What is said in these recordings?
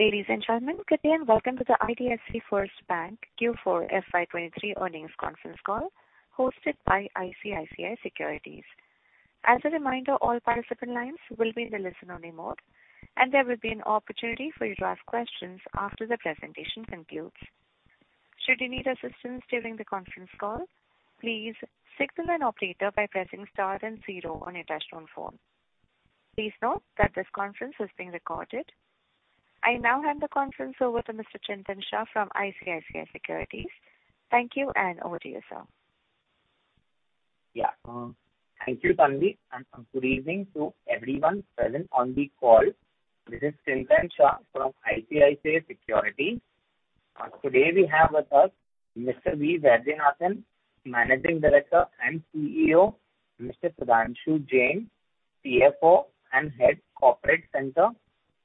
Ladies and gentlemen, good day and welcome to the IDFC FIRST Bank Q4 FY 2023 Earnings Conference Call hosted by ICICI Securities. As a reminder, all participant lines will be in the listen-only mode, and there will be an opportunity for you to ask questions after the presentation concludes. Should you need assistance during the conference call, please signal an operator by pressing star and 0 on your touch-tone phone. Please note that this conference is being recorded. I now hand the conference over to Mr. Chintan Shah from ICICI Securities. Thank you and over to you, sir. Thank you, Tanvi, and good evening to everyone present on the call. This is Chintan Shah from ICICI Securities. Today we have with us Mr. V. Vaidyanathan, Managing Director and CEO, Mr. Sudhanshu Jain, CFO and Head Corporate Centre,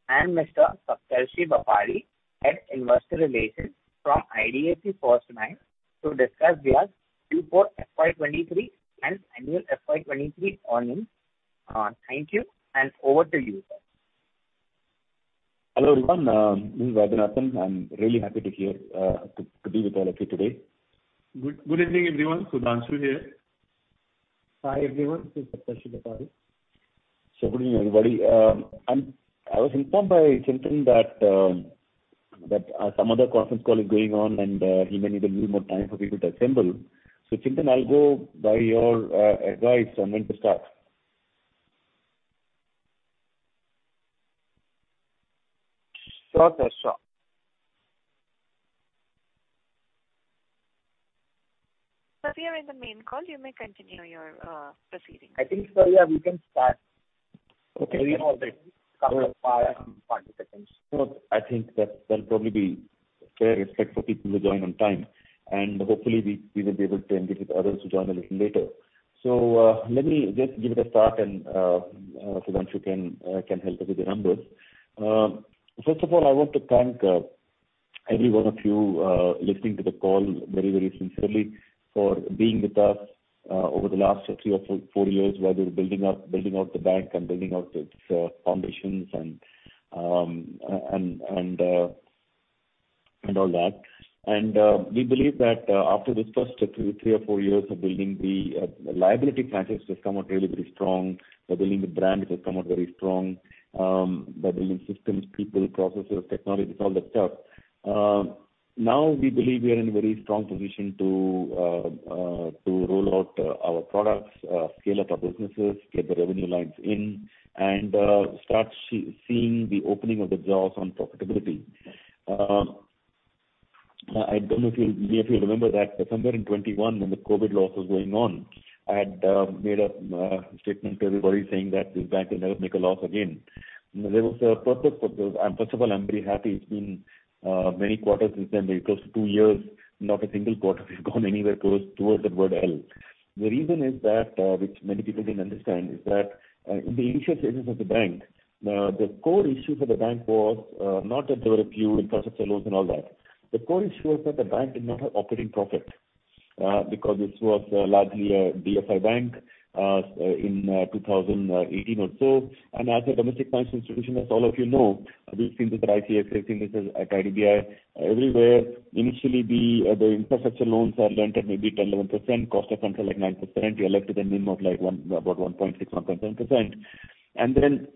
and Mr. Saptarshi Bapari, Head Investor Relations from IDFC FIRST Bank to discuss their Q4 FY 2023 and annual FY 2023 earnings. Thank you and over to you, sir. Hello, everyone. This is Vaidyanathan. I'm really happy to hear to be with all of you today. Good evening, everyone. Sudhanshu here. Hi, everyone. This is Saptarshi Bapari. Good evening, everybody. I was informed by Chintan that, some other conference call is going on and he may need a little more time for people to assemble. Chintan, I'll go by your advice on when to start. Sure, Sakto. Sir, we are in the main call. You may continue your proceedings. I think, sir, yeah, we can start. Okay. You know, like, a couple of, 40 seconds. Sure. I think that that'll probably be fair respect for people who join on time. Hopefully we will be able to indulge with others who join a little later. Let me just give it a start and Sudhanshu can help with the numbers. First of all, I want to thank every one of you listening to the call very, very sincerely for being with us over the last three or four years while we were building up, building out the bank and building out its foundations and all that. We believe that after this first three or four years of building the liability practice has come out really very strong. By building the brand, it has come out very strong. By building systems, people, processes, technologies, all that stuff. Now we believe we are in a very strong position to roll out our products, scale up our businesses, get the revenue lines in and start seeing the opening of the doors on profitability. I don't know if you'll, if you'll remember that somewhere in 2021 when the COVID loss was going on, I had made a statement to everybody saying that this bank will never make a loss again. There was a purpose for this. First of all, I'm very happy. It's been many quarters since then. two years, not a single quarter has gone anywhere close towards that word, "L". The reason is that, which many people didn't understand, is that, in the initial stages of the bank, the core issue for the bank was not that there were a few infrastructure loans and all that. The core issue was that the bank did not have operating profit, because this was largely a DFI bank, in 2018 or so. As a domestic finance institution, as all of you know, we've seen this at ICICI, seen this at IDBI. Everywhere, initially the infrastructure loans are lent at maybe 10%, 11%, cost of funds are like 9%. You're left with a NIM of like 1%, about 1.6%, 1.7%.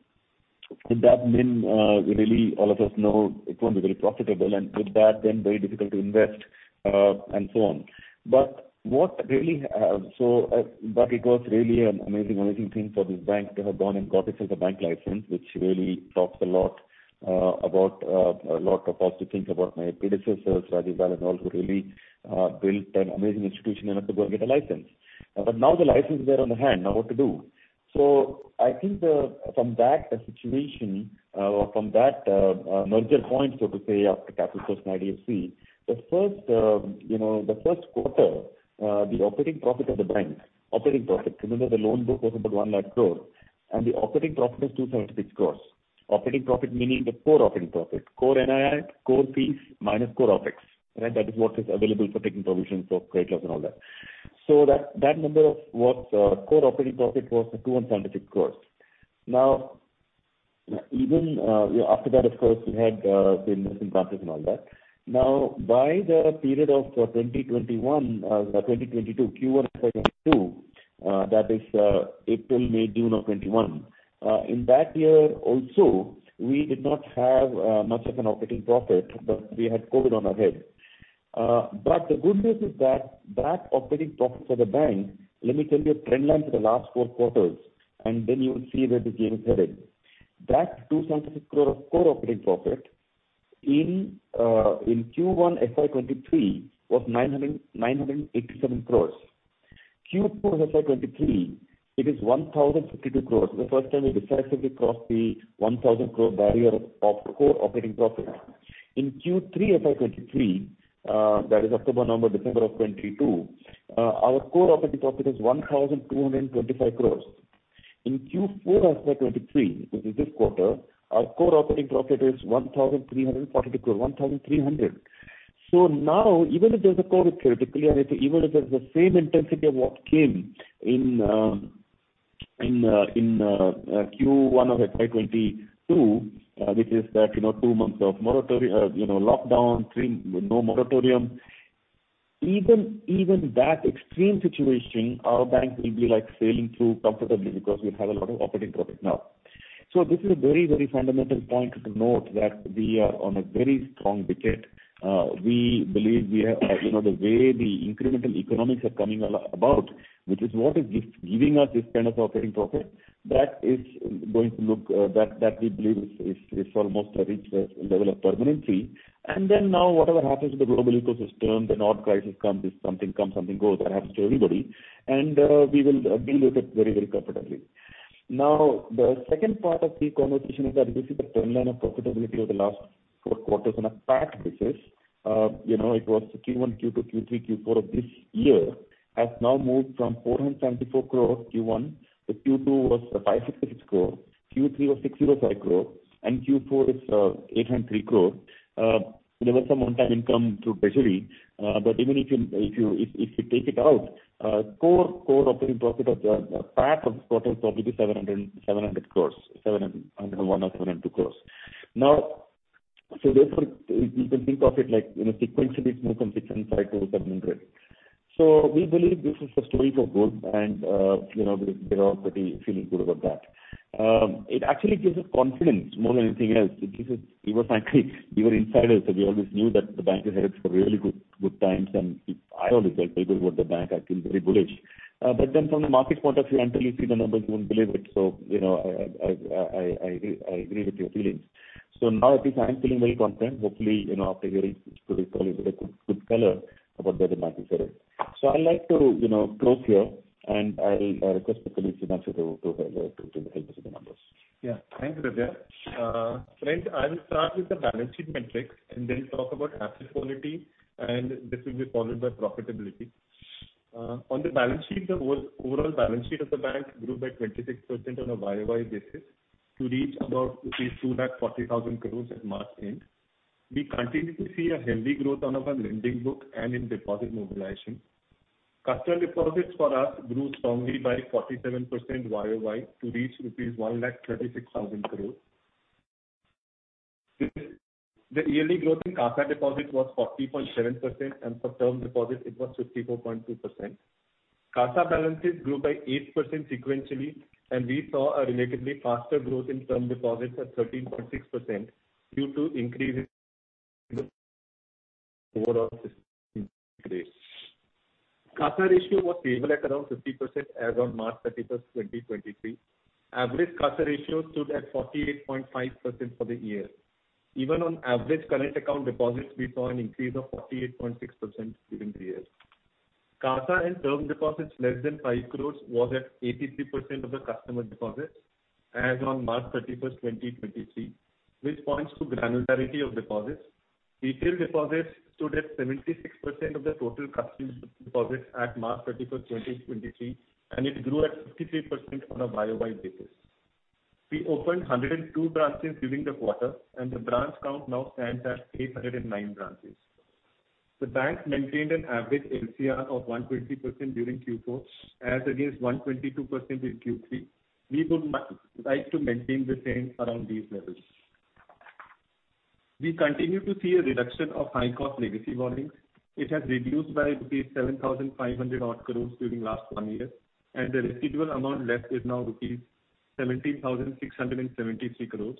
With that NIM, really all of us know it's going to be very profitable and with that then very difficult to invest and so on. What really, but it was really an amazing thing for this bank to have gone and got itself a bank license, which really talks a lot about a lot of positive things about my predecessors, Rajiv Lall and all, who really built an amazing institution enough to go and get a license. Now the license is there on the hand. Now what to do? I think, from that situation, or from that merger point, so to say, after Capital First and IDFC, the first, you know, the Q1, the operating profit of the bank, operating profit, remember the loan book was about 1 lakh crore and the operating profit was 276 crores. Operating profit meaning the core operating profit. Core NII, core fees minus core OpEx. Right? That is what is available for taking provision for credit loss and all that. That number of what core operating profit was 276 crores. Even after that of course we had been missing branches and all that. By the period of 2021, 2022, Q1 2022, that is April, May, June of 2021. In that year also, we did not have much of an operating profit, but we had COVID on our head. The good news is that that operating profit for the bank, let me tell you a trend line for the last four quarters and then you will see where this game is headed. That 276 crore of core operating profit in Q1 FY 2023 was 987 crores. Q4 FY 2023, it is 1,052 crores. The first time we decisively crossed the 1,000 crore barrier of core operating profit. In Q3 FY 2023, that is October, November, December of 2022, our core operating profit is 1,225 crores. In Q4 FY 2023, which is this quarter, our core operating profit is 1,342 crore, 1,300. Now, even if there's a COVID critically, and even if there's the same intensity of what came in Q1 of FY 2022, which is that, you know, two months of lockdown, three, no moratorium. Even that extreme situation, our bank will be, like, sailing through comfortably because we have a lot of operating profit now. This is a very, very fundamental point to note that we are on a very strong wicket. We believe we are, you know, the way the incremental economics are coming about, which is what is giving us this kind of operating profit, that is going to look, that we believe is almost reached a level of permanently. Now whatever happens to the global ecosystem, the Nord Stream crisis comes, something comes, something goes. That happens to everybody. We will deal with it very, very comfortably. Now, the second part of the conversation is that this is the trend line of profitability over the last four quarters on a PAT basis. You know, it was Q1, Q2, Q3, Q4 of FY 2023 has now moved from 424 crore Q1. The Q2 was 566 crore. Q3 was 605 crore, Q4 is 803 crore. There was some one-time income through treasury. Even if you take it out, core operating profit of the PAT of this quarter is probably 701 or 702 crores. Therefore, you can think of it like, you know, sequentially it's more consistent 500-700. We believe this is a story for growth and, you know, we're all pretty feeling good about that. It actually gives us confidence more than anything else. It gives us we were frankly, we were insiders, so we always knew that the bank is headed for really good times. I always tell people what the bank, I feel very bullish. From the market point of view, until you see the numbers, you won't believe it. You know, I agree with your feelings. Now at least I'm feeling very content. Hopefully, you know, after hearing today's call, you will have good color about where the bank is headed. I'd like to, you know, close here, and I'll request Mr. Nishad to take us through the numbers. Yeah. Thanks, Vaidya. Friends, I will start with the balance sheet metrics and then talk about asset quality, and this will be followed by profitability. On the balance sheet, the overall balance sheet of the bank grew by 26% on a YOY basis to reach about INR 240,000 crores at March end. We continue to see a healthy growth out of our lending book and in deposit mobilization. Customer deposits for us grew strongly by 47% YOY to reach rupees 136,000 crores. The yearly growth in CASA deposit was 40.7%, and for term deposit it was 54.2%. CASA balances grew by 8% sequentially, and we saw a relatively faster growth in term deposits at 13.6% due to increase in overall. CASA ratio was stable at around 50% as on March 31st, 2023. Average CASA ratio stood at 48.5% for the year. Even on average current account deposits, we saw an increase of 48.6% during the year. CASA and term deposits less than 5 crore was at 83% of the customer deposits as on March 31st, 2023, which points to granularity of deposits. Retail deposits stood at 76% of the total customer deposits at March 31st, 2023, it grew at 53% on a YOY basis. We opened 102 branches during the quarter, the branch count now stands at 809 branches. The bank maintained an average LCR of 120% during Q4 as against 122% in Q3. We would like to maintain the same around these levels. We continue to see a reduction of high-cost legacy borrowings. It has reduced by rupees 7,500 odd crores during last one year, and the residual amount left is now rupees 17,673 crores,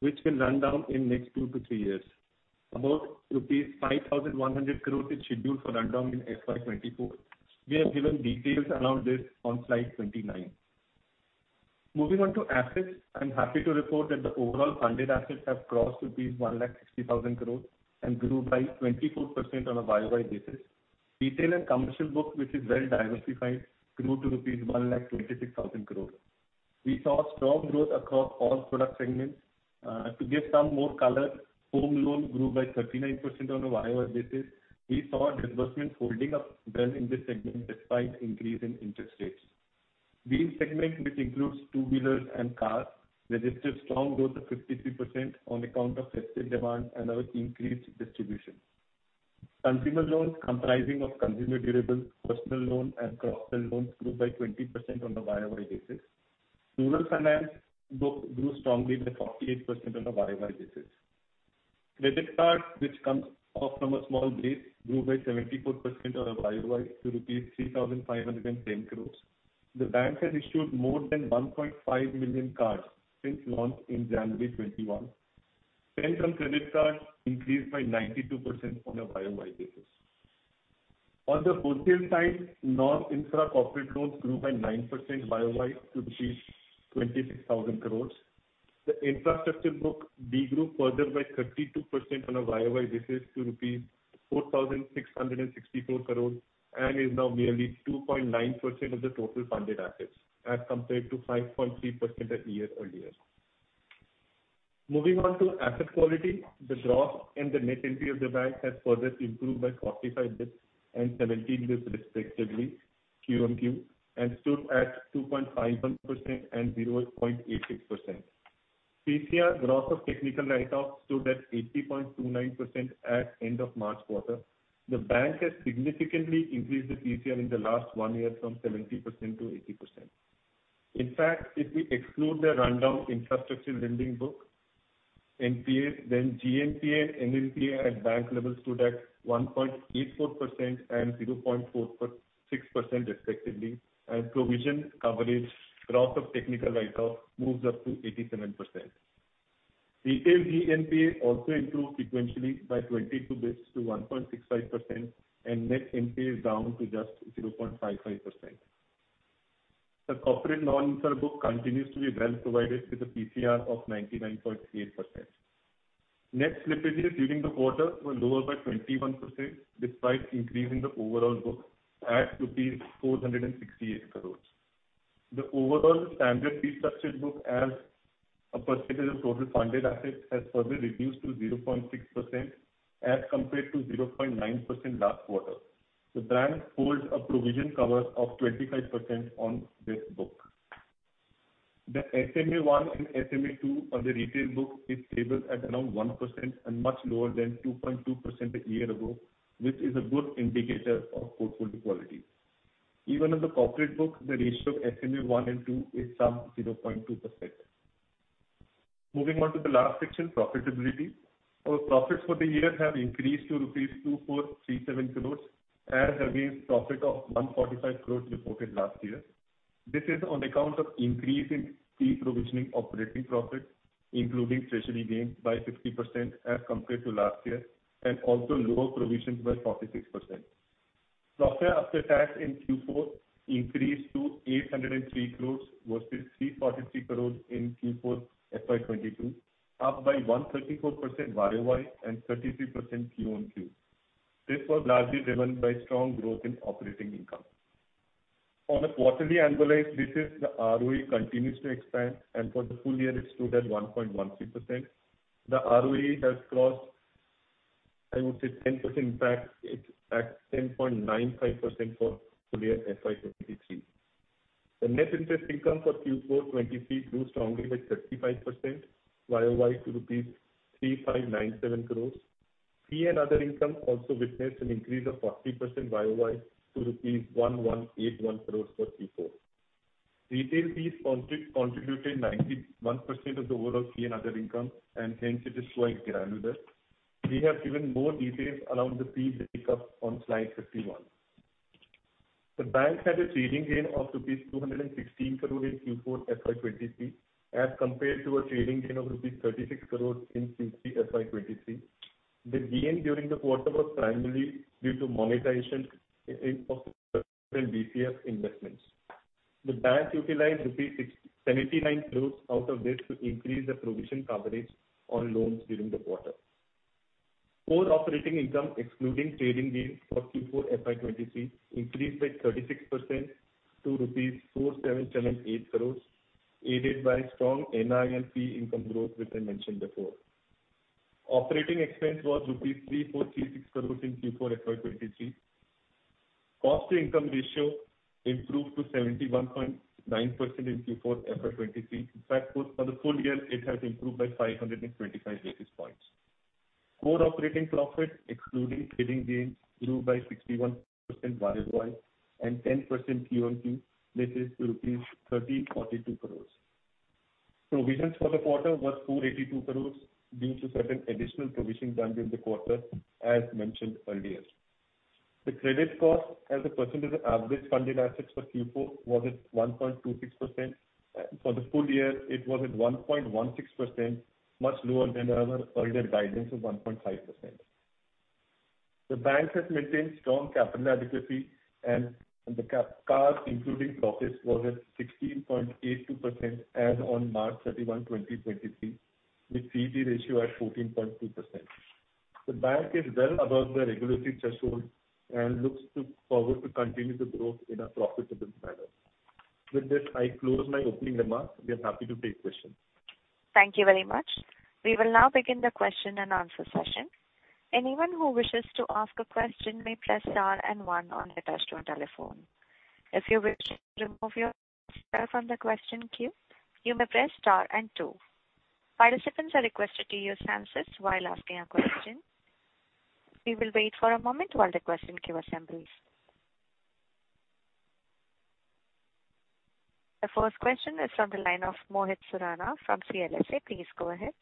which will run down in next two to three years. About rupees 5,100 crores is scheduled for rundown in FY 2024. We have given details around this on slide 29. Moving on to assets, I'm happy to report that the overall funded assets have crossed 160,000 crores and grew by 24% on a YOY basis. Retail and commercial book, which is well diversified, grew to rupees 126,000 crores. We saw strong growth across all product segments. To give some more color, home loans grew by 39% on a YOY basis. We saw disbursements holding up well in this segment despite increase in interest rates. Vehicle segment, which includes two-wheelers and cars, registered strong growth of 53% on account of festive demand and our increased distribution. Consumer loans comprising of consumer durables, personal loans, and crop loans grew by 20% on a YOY basis. Rural finance book grew strongly by 48% on a YOY basis. Credit cards, which comes off from a small base, grew by 74% on a YOY to INR 3,510 crores. The bank has issued more than 1.5 million cards since launch in January 2021. Spend on credit cards increased by 92% on a YOY basis. On the wholesale side, non-infra corporate loans grew by 9% YOY to reach 26,000 crores. The infrastructure book de-grew further by 32% on a YOY basis to rupees 4,664 crores and is now merely 2.9% of the total funded assets, as compared to 5.3% a year earlier. Moving on to asset quality, the gross and the net NPA of the bank has further improved by 45 basis points and 17 basis points respectively QOQ, and stood at 2.51% and 0.86%. PCR gross of technical write-off stood at 80.29% at end of March quarter. The bank has significantly increased the PCR in the last one year from 70% to 80%. In fact, if we exclude the rundown infrastructure lending book NPA, then GNPA, NNPA at bank level stood at 1.84% and 0.4%. 6% respectively, and provision coverage gross of technical write-off moves up to 87%. Retail GNPA also improved sequentially by 22 basis to 1.65%, and Net NPA is down to just 0.55%. The corporate loan book continues to be well provided with a PCR of 99.8%. Net slippages during the quarter were lower by 21% despite increase in the overall book at rupees 468 crores. The overall standard fee structure book as a percentage of total funded assets has further reduced to 0.6% as compared to 0.9% last quarter. The bank holds a provision cover of 25% on this book. The SMA-1 and SMA-2 on the retail book is stable at around 1% and much lower than 2.2% a year ago, which is a good indicator of portfolio quality. Even on the corporate book, the ratio of SMA-1 and -2 is some 0.2%. Moving on to the last section, profitability. Our profits for the year have increased to rupees 2,437 crores as against profit of 145 crores reported last year. This is on account of increase in Pre-Provision Operating Profit, including treasury gain by 60% as compared to last year and also lower provisions by 46%. Profit after tax in Q4 increased to 803 crores versus 343 crores in Q4 FY 2022, up by 134% YOY and 33% QOQ. This was largely driven by strong growth in operating income. On a quarterly annualized basis, the ROE continues to expand, and for the full year it stood at 1.16%. The ROE has crossed, I would say, 10%. In fact, it's at 10.95% for full year FY 2023. The net interest income for Q4 FY 2023 grew strongly by 35% YOY to rupees 3,597 crore. Fee and other income also witnessed an increase of 40% YOY to rupees 1,181 crore for Q4. Retail fees contributed 91% of the overall fee and other income, and hence it is quite granular. We have given more details around the fee breakup on slide 51. The bank had a trading gain of rupees 216 crore in Q4 FY 2023 as compared to a trading gain of rupees 36 crore in Q4 FY 2023. The gain during the quarter was primarily due to monetization of certain DPS investments. The bank utilized rupees 679 crores out of this to increase the provision coverage on loans during the quarter. Core operating income excluding trading gains for Q4 FY 2023 increased by 36% to rupees 4,778 crores, aided by strong NIM fee income growth, which I mentioned before. Operating expense was rupees 3,436 crores in Q4 FY 2023. Cost to income ratio improved to 71.9% in Q4 FY 2023. In fact, for the full year it has improved by 525 basis points. Core operating profit excluding trading gains grew by 61% YOY and 10% QOQ. This is rupees 3,042 crores. Provisions for the quarter was 282 crore due to certain additional provisions done during the quarter as mentioned earlier. The credit cost as a percentage of average funded assets for Q4 was at 1.26%. For the full year it was at 1.16%, much lower than our earlier guidance of 1.5%. The bank has maintained strong capital adequacy and CAR including profits was at 16.82% as on March 31, 2023, with CET ratio at 14.2%. The bank is well above the regulatory threshold and looks to forward to continue to grow in a profitable manner. With this, I close my opening remarks. We are happy to take questions. Thank you very much. We will now begin the question and answer session. Anyone who wishes to ask a question may press star one on their touch-tone telephone. If you wish to remove yourself from the question queue, you may press star two. Participants are requested to use answers while asking a question. We will wait for a moment while the question queue assembles. The first question is from the line of Mohit Surana from CLSA. Please go ahead.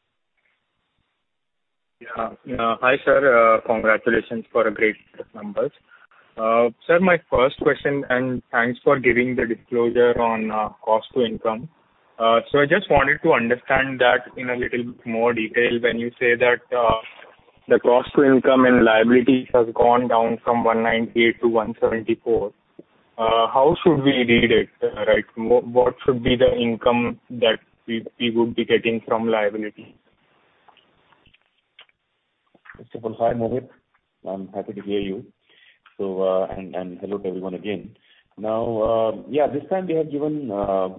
Yeah. Hi, sir. Congratulations for great numbers. Sir, my first question and thanks for giving the disclosure on cost to income. I just wanted to understand that in a little bit more detail when you say that the cost to income and liabilities has gone down from 198 to 174. How should we read it, right? What should be the income that we would be getting from liability? Simple. Hi, Mohit. I'm happy to hear you. Hello to everyone again. Yeah, this time we have given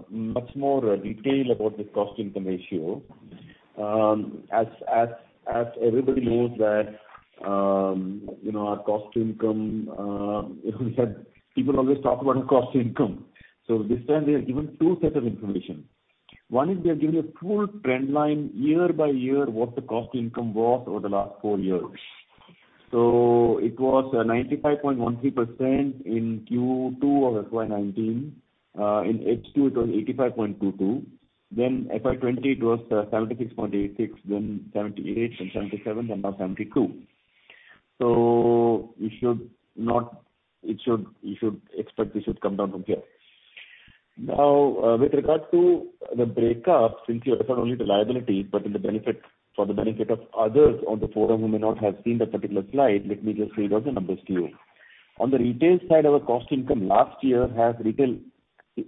much more detail about this cost income ratio. As everybody knows that. You know, our cost income, we had people always talk about cost income. This time they have given two sets of information. One is they have given a full trend line year by year, what the cost income was over the last four years. It was 95.13% in Q2 of FY 2019. In H2 it was 85.22%. FY 2020 it was 76.86%, then 78%, then 77%, then now 72%. We should not... It should, you should expect this should come down from here. Now, with regard to the break up, since you refer only to liability, but in the benefit, for the benefit of others on the forum who may not have seen that particular slide, let me just read out the numbers to you. On the retail side, our cost income last year has retail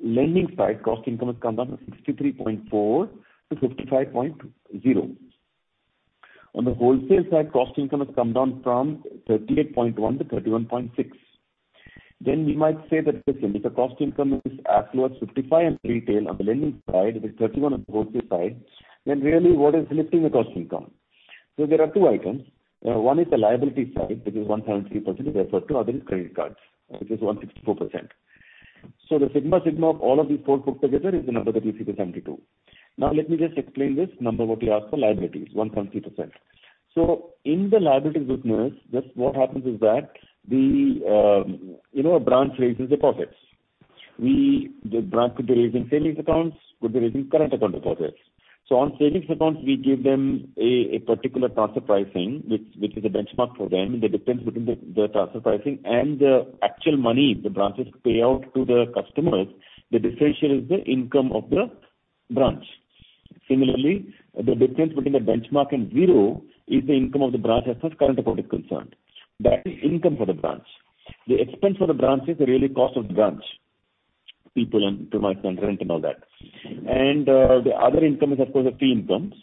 lending side, cost income has come down to 63.4% to 55.0%. On the wholesale side, cost income has come down from 38.1% to 31.6%. We might say that, listen, if the cost income is at towards 55% in retail on the lending side, with 31% on the wholesale side, really what is lifting the cost income? There are two items. One is the liability side, which is 1.3% we referred to, other is credit cards, which is 164%. The sigma of all of these four put together is the number that you see, the 72%. Now let me just explain this number what we asked for liabilities, 1.3%. In the liability business, just what happens is that the, you know, a branch raises deposits. The branch could be raising savings accounts, could be raising current account deposits. On savings accounts we give them a particular transfer pricing, which is a benchmark for them. The difference between the transfer pricing and the actual money the branches pay out to the customers, the differential is the income of the branch. The difference between the benchmark and zero is the income of the branch as far as current account is concerned. That is income for the branch. The expense for the branch is really cost of the branch, people and to my front rent and all that. The other income is of course the fee income.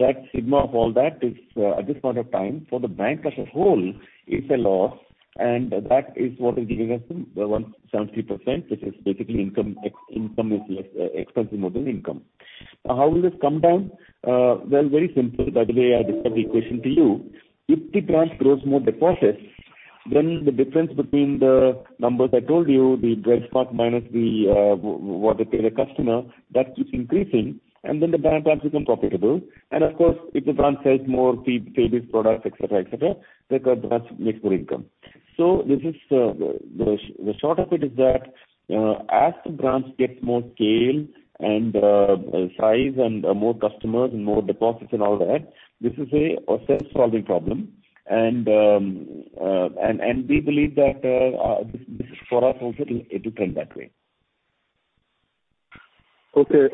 That sigma of all that is at this point of time for the bank as a whole is a loss and that is what is giving us the 1.3%, which is basically income ex-income is less, expense is more than income. How will this come down? Well, very simple. By the way, I described the equation to you. If the branch grows more deposits, then the difference between the numbers I told you, the benchmark minus the what they pay the customer, that keeps increasing and then the branch becomes profitable. Of course, if the branch sells more fee, savings products, et cetera, et cetera, the branch makes more income. This is the short of it is that, as the branch gets more scale and size and more customers and more deposits and all that, this is a self-solving problem. We believe that this is for us also it will turn that way. Okay.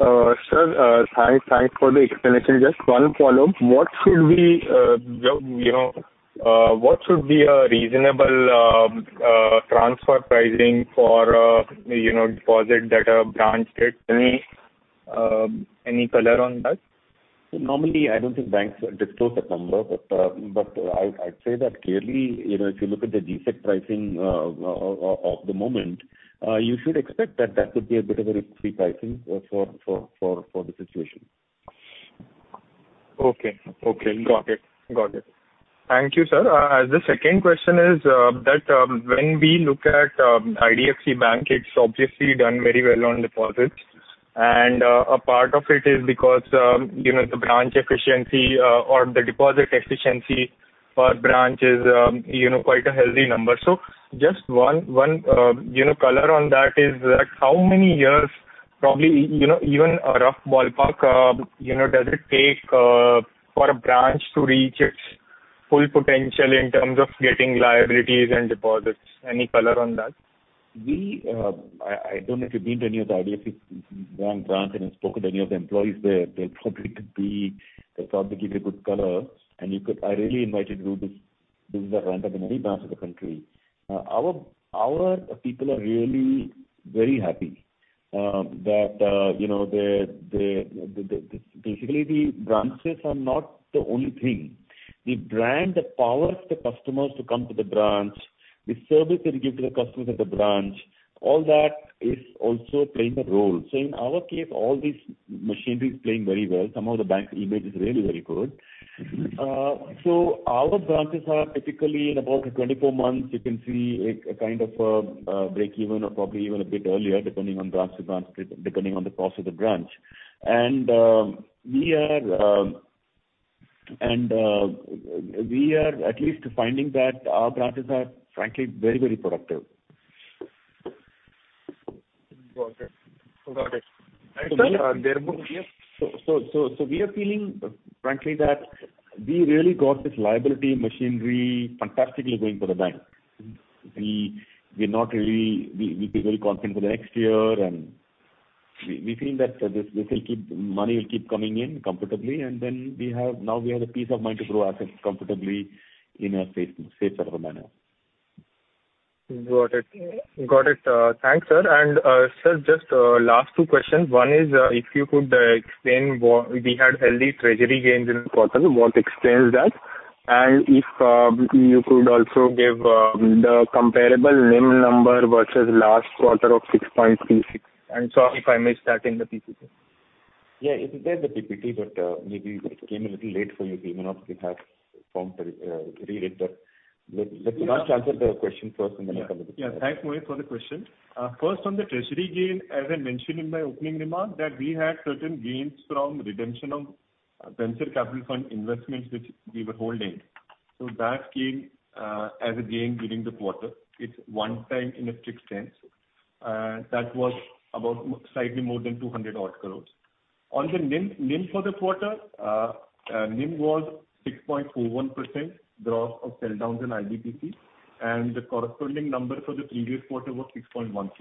sir, thanks for the explanation. Just one follow-up. What should we, you know, what should be a reasonable transfer pricing for, you know, deposit that a branch gets? Any any color on that? Normally I don't think banks disclose that number. I'd say that clearly, you know, if you look at the GSEC pricing of the moment, you should expect that that could be a bit of a risk-free pricing for the situation. Okay. Okay. Got it. Got it. Thank you, sir. The second question is that when we look at IDFC Bank, it's obviously done very well on deposits and a part of it is because, you know, the branch efficiency, or the deposit efficiency per branch is, you know, quite a healthy number. Just one, you know, color on that is that how many years probably, you know, even a rough ballpark, you know, does it take for a branch to reach its full potential in terms of getting liabilities and deposits? Any color on that? We don't know if you've been to any of the IDFC Bank branch and have spoken to any of the employees there. They'll probably give you a good color and you could. I really invite you to do this visit a branch of any banks in the country. Our people are really very happy, you know, the branches are not the only thing. The brand that powers the customers to come to the branch, the service that you give to the customers at the branch, all that is also playing a role. In our case, all these machinery is playing very well. Some of the bank's image is really very good. Mm-hmm. Our branches are typically in about 24 months you can see a break even or probably even a bit earlier, depending on branch to branch, depending on the cost of the branch. We are at least finding that our branches are frankly very productive. Got it. Got it. We are feeling frankly that we really got this liability machinery fantastically going for the bank. We're not really, we feel very confident for the next year and we feel that money will keep coming in comfortably and now we have the peace of mind to grow assets comfortably in a safe, safer manner. Got it. Got it. Thanks, sir. Sir, just last two questions. One is, if you could explain what we had healthy treasury gains in the quarter, what explains that? If you could also give the comparable NIM number versus last quarter of 6.36. Sorry if I missed that in the presentation. Yeah, it's there in the PPT, but maybe it came a little late for you. You may not still have formed to re-read that. Let Sudhanshu answer the question first and then I'll come in. Yeah. Thanks, Mohit Surana, for the question. First on the treasury gain, as I mentioned in my opening remarks, that we had certain gains from redemption of venture capital fund investments which we were holding. That came as a gain during the quarter. It's one-time in a strict sense. That was about slightly more than 200 odd crores. On the NIM for the quarter, NIM was 6.41% gross of sell down in IBPC, the corresponding number for the previous quarter was 6.13%.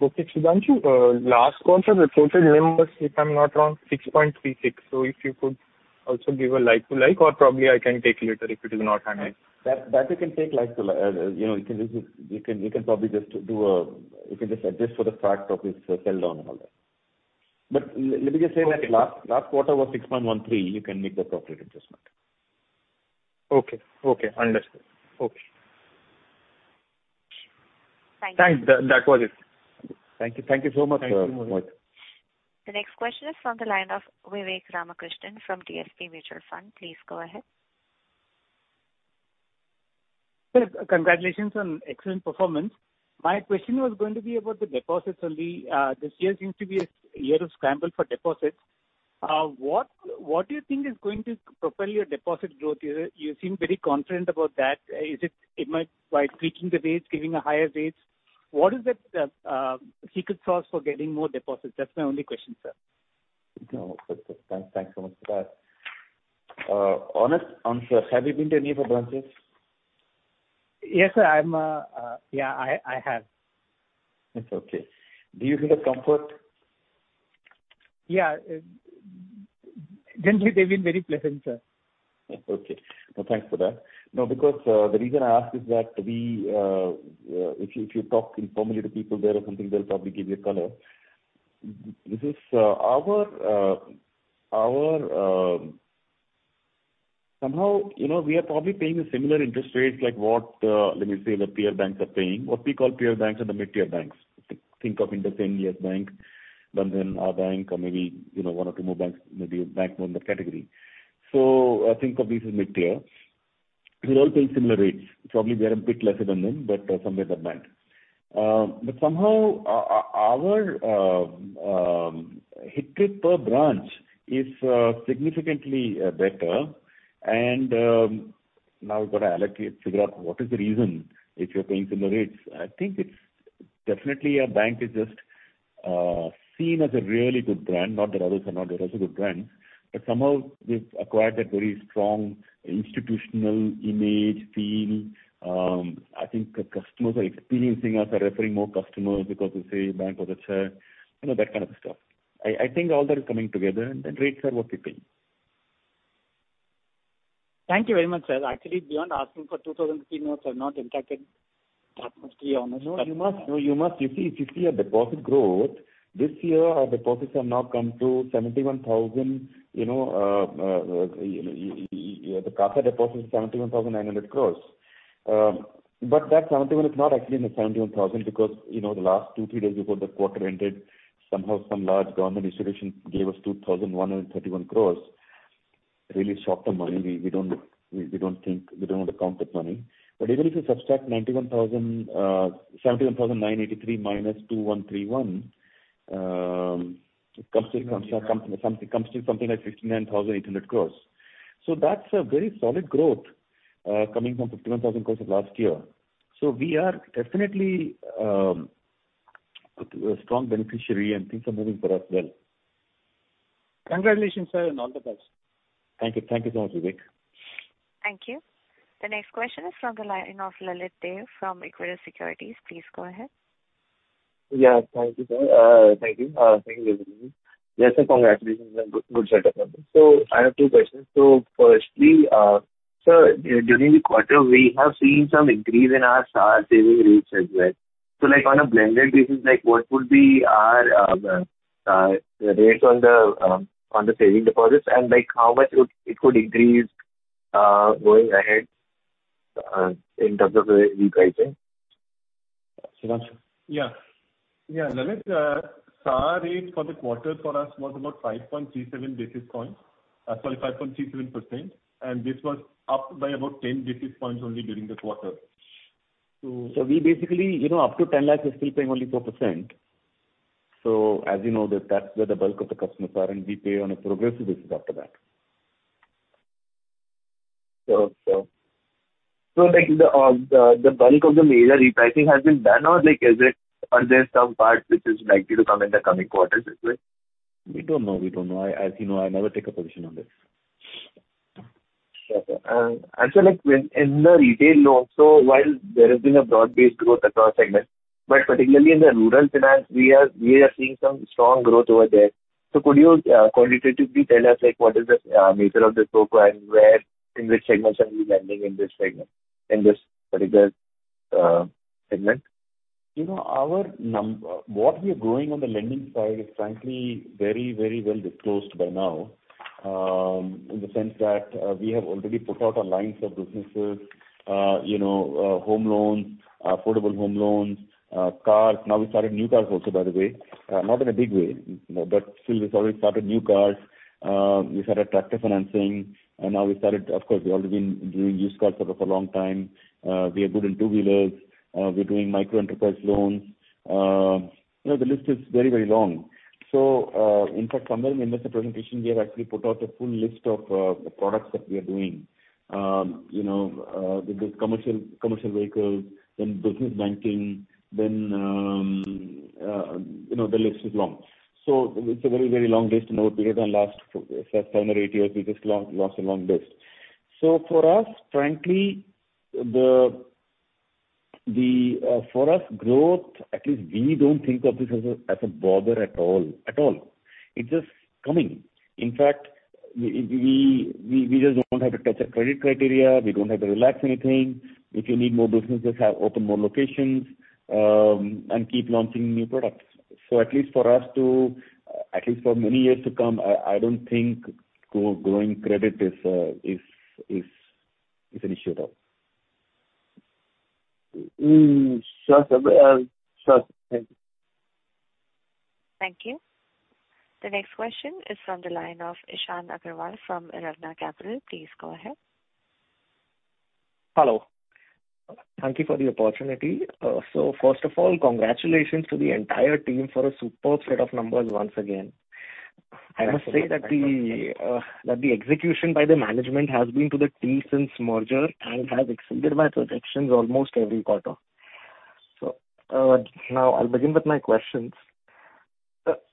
Okay. Sudhanshu, last quarter the total NIM was, if I'm not wrong, 6.36%. If you could also give a like to like or probably I can take later if it is not handy. That you can take like to like. you know, you can probably just do, you can just adjust for the fact of this sell down and all that. Let me just say that last quarter was 6.13. You can make the appropriate adjustment. Okay. Okay. Understood. Okay. Thanks. That, that was it. Thank you. Thank you so much. Thank you, Mohit. The next question is from the line of Vivek Ramakrishnan from DSP Mutual Fund. Please go ahead. Sir, congratulations on excellent performance. My question was going to be about the deposits only. This year seems to be a year of scramble for deposits. What do you think is going to propel your deposit growth? You seem very confident about that. Is it might by tweaking the rates, giving a higher rates? What is the secret sauce for getting more deposits? That's my only question, sir. No. thanks so much for that. honest answer. Have you been to any of our branches? Yes, sir, I'm, yeah, I have. It's okay. Do you feel a comfort? Yeah. generally they've been very pleasant, sir. Okay. Well, thanks for that. No, because the reason I ask is that we, if you, if you talk informally to people there or something, they'll probably give you a color. This is our, somehow, you know, we are probably paying similar interest rates like what, let me say the peer banks are paying, what we call peer banks or the mid-tier banks. Think of IndusInd as bank than our bank or maybe, you know, one or two more banks, maybe a bank on that category. Think of these as mid-tier. We all pay similar rates. Probably we are a bit lesser than them, but somewhere the bank. Somehow our, hit rate per branch is significantly better and, now we've got to allocate, figure out what is the reason if you're paying similar rates. I think it's definitely our bank is just seen as a really good brand, not that others are not. There are also good brands. Somehow we've acquired that very strong institutional image feel. I think the customers are experiencing us are referring more customers because they say bank of the share, you know, that kind of stuff. I think all that is coming together, rates are what we pay. Thank you very much, sir. Actually, beyond asking for 2,000 key notes are not impacted that much to be honest. No, you must. No, you must. You see, if you see a deposit growth this year our deposits have now come to 71,000, you know, yeah, the CASA deposit is 71,900 crores. That 71,000 is not actually in the 71,000 because, you know, the last two, three days before the quarter ended, somehow some large government institution gave us 2,131 crores. Really sharp the money. We don't think, we don't want to count that money. Even if you subtract 91,000, 71,983 minus 2,131, it comes to something like 59,800 crores. That's a very solid growth coming from 51,000 crores of last year. We are definitely, a strong beneficiary and things are moving for us well. Congratulations, sir, and all the best. Thank you. Thank you so much, Vivek. Thank you. The next question is from the line of Lalit Dev from Equirus Securities. Please go ahead. Yeah. Thank you, sir. Thank you. Thank you. Yes, sir, congratulations on good set of numbers. I have two questions. Firstly, sir, during the quarter, we have seen some increase in our SA saving rates as well. Like on a blended basis, like what would be our rates on the saving deposits and like how much would it could increase going ahead in terms of the repricing? Sudanshu. Yeah. Yeah, Lalit, SA rates for the quarter for us was about 5.37 basis points. Sorry, 5.37%. This was up by about 10 basis points only during the quarter. We basically, you know, up to 10 lakhs we're still paying only 4%. As you know that that's where the bulk of the customers are and we pay on a progressive basis after that. Like the bulk of the major repricing has been done or like is it, are there some parts which is likely to come in the coming quarters as well? We don't know. We don't know. I, as you know, I never take a position on this. Okay. Like when in the retail loan, so while there has been a broad-based growth across segments, but particularly in the rural finance we are seeing some strong growth over there. Could you qualitatively tell us, like what is the nature of this book and where in which segments are we lending in this particular segment? You know, what we are growing on the lending side is frankly very, very well disclosed by now. In the sense that, we have already put out our lines of businesses, you know, home loans, affordable home loans, cars. Now we started new cars also, by the way, not in a big way, but still we've already started new cars. We started tractor financing and now we started. Of course, we've already been doing used cars for a long time. We are good in two-wheelers. We're doing micro enterprise loans. You know, the list is very, very long. In fact, somewhere in investor presentation, we have actually put out a full list of the products that we are doing. You know, with this commercial vehicles, then business banking, then, you know, the list is long. It's a very, very long list, you know, we did in last seven or eight years, we just launched a long list. For us, frankly, the for us growth, at least we don't think of this as a bother at all. At all. It's just coming. In fact, we just don't have to touch a credit criteria. We don't have to relax anything. If you need more businesses, have open more locations, and keep launching new products. At least for us to, at least for many years to come, I don't think growing credit is an issue at all. Sure. Sure. Thank you. Thank you. The next question is from the line of Ishan Agrawal from Erevna Capital. Please go ahead. Hello. Thank you for the opportunity. First of all, congratulations to the entire team for a superb set of numbers once again. Thank you. I must say that the, that the execution by the management has been to the T since merger and has exceeded my projections almost every quarter. Now I'll begin with my questions.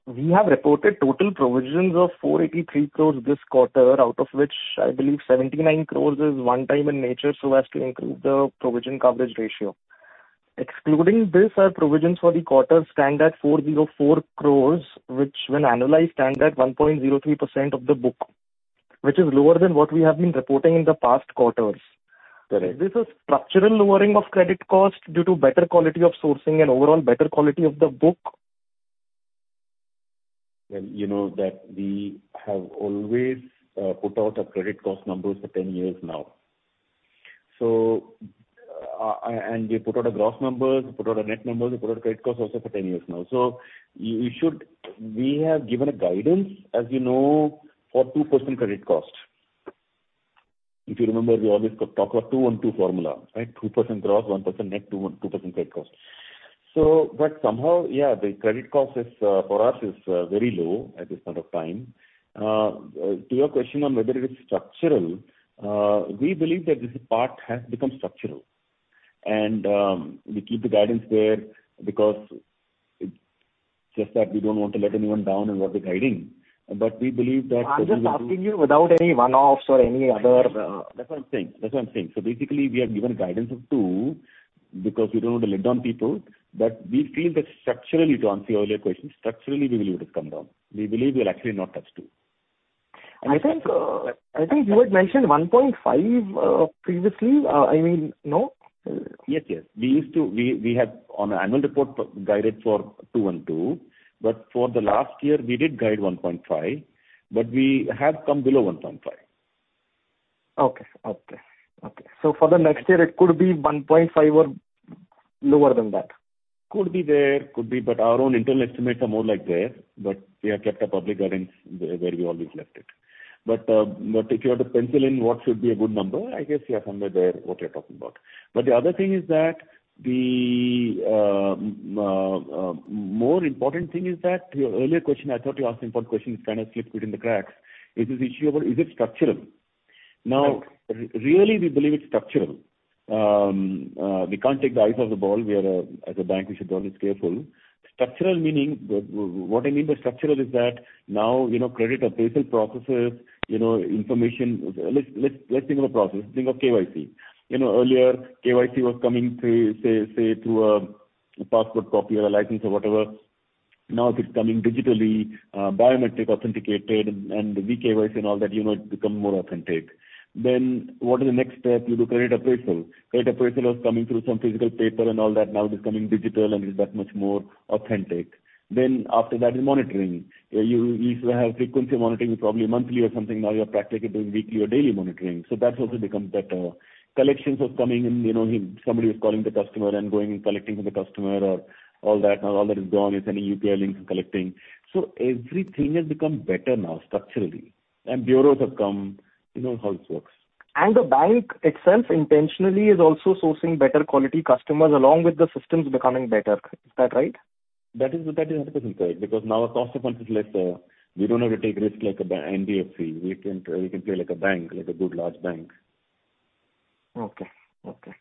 We have reported total provisions of 483 crores this quarter, out of which I believe 79 crores is one time in nature, so as to improve the provision coverage ratio. Excluding this, our provisions for the quarter stand at 404 crores, which when analyzed stand at 1.03% of the book, which is lower than what we have been reporting in the past quarters. Correct. Is this a structural lowering of credit cost due to better quality of sourcing and overall better quality of the book? You know that we have always put out our credit cost numbers for 10 years now. We put out our gross numbers, we put out our net numbers, we put our credit costs also for 10 years now. We have given a guidance, as you know, for 2% credit cost. If you remember, we always talk about 2-1-2 formula, right? 2% gross, 1% net, 2% credit cost. Somehow, the credit cost for us is very low at this point of time. To your question on whether it is structural, we believe that this part has become structural and we keep the guidance there because it's just that we don't want to let anyone down in what we're guiding. We believe that. I'm just asking you without any one-offs or any other- That's what I'm saying. Basically we have given a guidance of two because we don't want to let down people, but we feel that structurally, to answer your earlier question, structurally we believe it has come down. We believe we'll actually not touch two. I think you had mentioned 1.5 previously. I mean, no? Yes, yes. We used to, we had on our annual report guided for 2.12. For the last year we did guide 1.5, but we have come below 1.5. Okay. Okay. Okay. For the next year it could be 1.5 or lower than that. Could be there. Could be. Our own internal estimates are more like there, but we have kept a public guidance where we always left it. If you had to pencil in what should be a good number, I guess, yeah, somewhere there what you're talking about. The other thing is that the more important thing is that to your earlier question, I thought you asked an important question. It's kind of slipped between the cracks. Is this issue about, is it structural? Right. Really we believe it's structural. We can't take the eyes off the ball. We are, as a bank, we should always be careful. Structural meaning, what I mean by structural is that now, you know, credit appraisal processes, you know, information. Let's think of a process. Think of KYC. You know, earlier KYC was coming through, say, through a passport copy or a license or whatever. Now it is coming digitally, biometric authenticated and the eKYC and all that, you know, it's become more authentic. What is the next step? You do credit appraisal. Credit appraisal was coming through some physical paper and all that. Now it is coming digital and is that much more authentic. After that is monitoring. You used to have frequency monitoring is probably monthly or something. Now you are practicing doing weekly or daily monitoring. That's also becomes better. Collections was coming in, you know, somebody was calling the customer and going and collecting from the customer or all that. Now all that is gone. It's sending UPI links and collecting. Everything has become better now structurally and bureaus have come. You know how this works. The bank itself intentionally is also sourcing better quality customers along with the systems becoming better. Is that right? That is 100% correct, because now our cost of funds is less, we don't have to take risk like a NBFC. We can play like a bank, like a good large bank. Okay. Okay.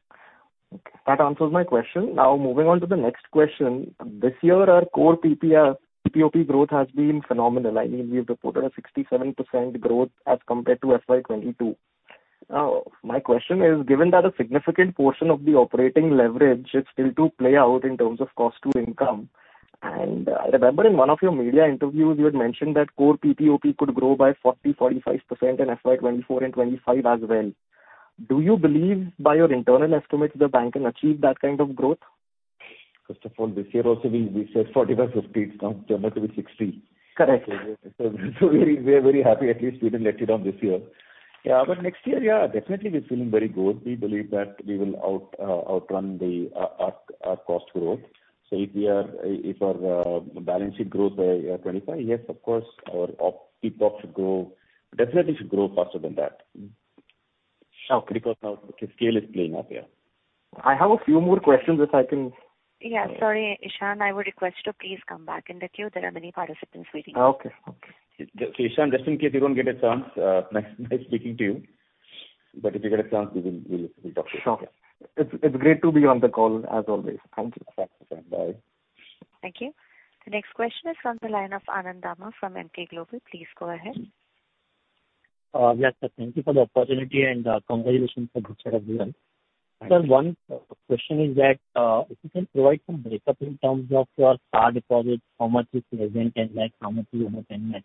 Okay. That answers my question. Moving on to the next question. This year, our core PPR, PPOP growth has been phenomenal. I mean, we have reported a 67% growth as compared to FY 2022. My question is, given that a significant portion of the operating leverage is still to play out in terms of cost to income, and I remember in one of your media interviews you had mentioned that core PPOP could grow by 40%-45% in FY 2024 and 25 as well. Do you believe by your internal estimates the bank can achieve that kind of growth? First of all, this year also we said 45%, 50%. It's now turned out to be 60%. Correct. We're very happy at least we didn't let you down this year. Yeah, but next year, definitely we're feeling very good. We believe that we will outrun the our cost growth. If we are, if our balance sheet grows by 25, yes, of course, our EBITDA should grow. Definitely it should grow faster than that. Sure. Now the scale is playing out, yeah. I have a few more questions if I can- Yeah. Sorry, Ishan. I would request you to please come back in the queue. There are many participants waiting. Okay. Okay. Ishan, just in case we don't get a chance, nice speaking to you. If we get a chance, we'll talk to you. Sure. It's great to be on the call, as always. Thank you. Thanks. Bye. Thank you. The next question is from the line of Anand Dama from Emkay Global. Please go ahead. Yes, sir. Thank you for the opportunity and congratulations on a good set of results. Sir, one question is that if you can provide some breakup in terms of your CAR deposit, how much is present and, like, how much is outstanding?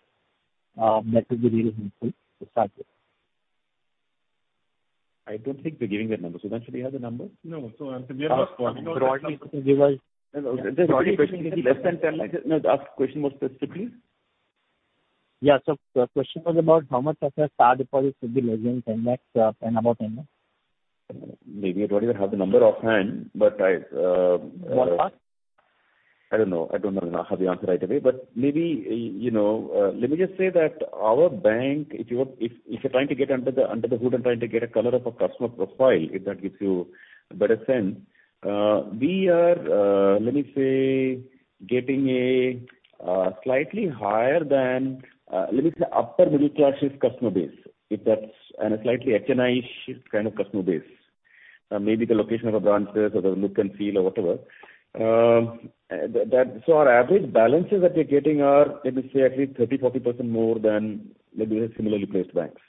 That would be really helpful to start with. I don't think we're giving that number. Sudhanshu, do you have the number? No. we are not- Broadly, could you give us- No. The broadly question is less than INR 10 lakhs. No, ask the question more specifically. Yeah. The question was about how much of your CAR deposits would be less than 10 lakhs and above 10 lakhs. Maybe I don't even have the number offhand, but I. INR 1 lac? I don't know. I don't have the answer right away. Maybe, you know, let me just say that our bank, if you're trying to get under the hood and trying to get a color of a customer profile, if that gives you a better sense, we are, let me say, getting a slightly higher than, let me say upper middle class-ish customer base, if that's, and a slightly HNI-ish kind of customer base. Maybe the location of our branches or the look and feel or whatever. That, our average balances that we're getting are, let me say at least 30%, 40% more than maybe the similarly placed banks.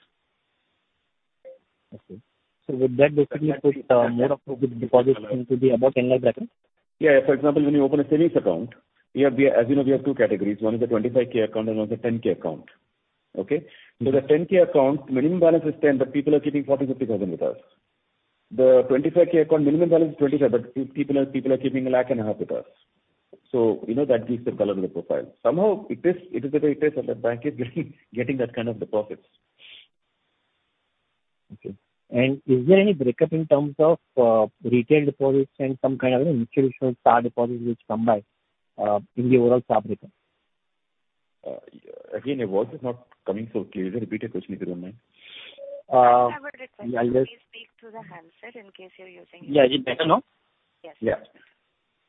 Okay. With that more of the deposits seem to be above INR 10 lakh balance? Yeah. For example, when you open a savings account, we have, as you know, we have two categories. One is a 25 k account and one is a 10 k account. Okay? The 10 k account minimum balance is 10,000, but people are keeping 40,000, 50,000 with us. The 25 k account minimum balance is 25,000, but people are keeping INR a lac and a half with us. you know, that gives the color of the profile. Somehow it is the way it is and the bank is getting that kind of deposits. Okay. Is there any breakup in terms of retail deposits and some kind of institutional CAR deposits which come by in the overall CAR breakup? Again, your words are not coming so clearly. Repeat your question, if you don't mind. Uh- Can I have a request? Please speak through the handset in case you're using- Yeah. Is it better now? Yes. Yeah.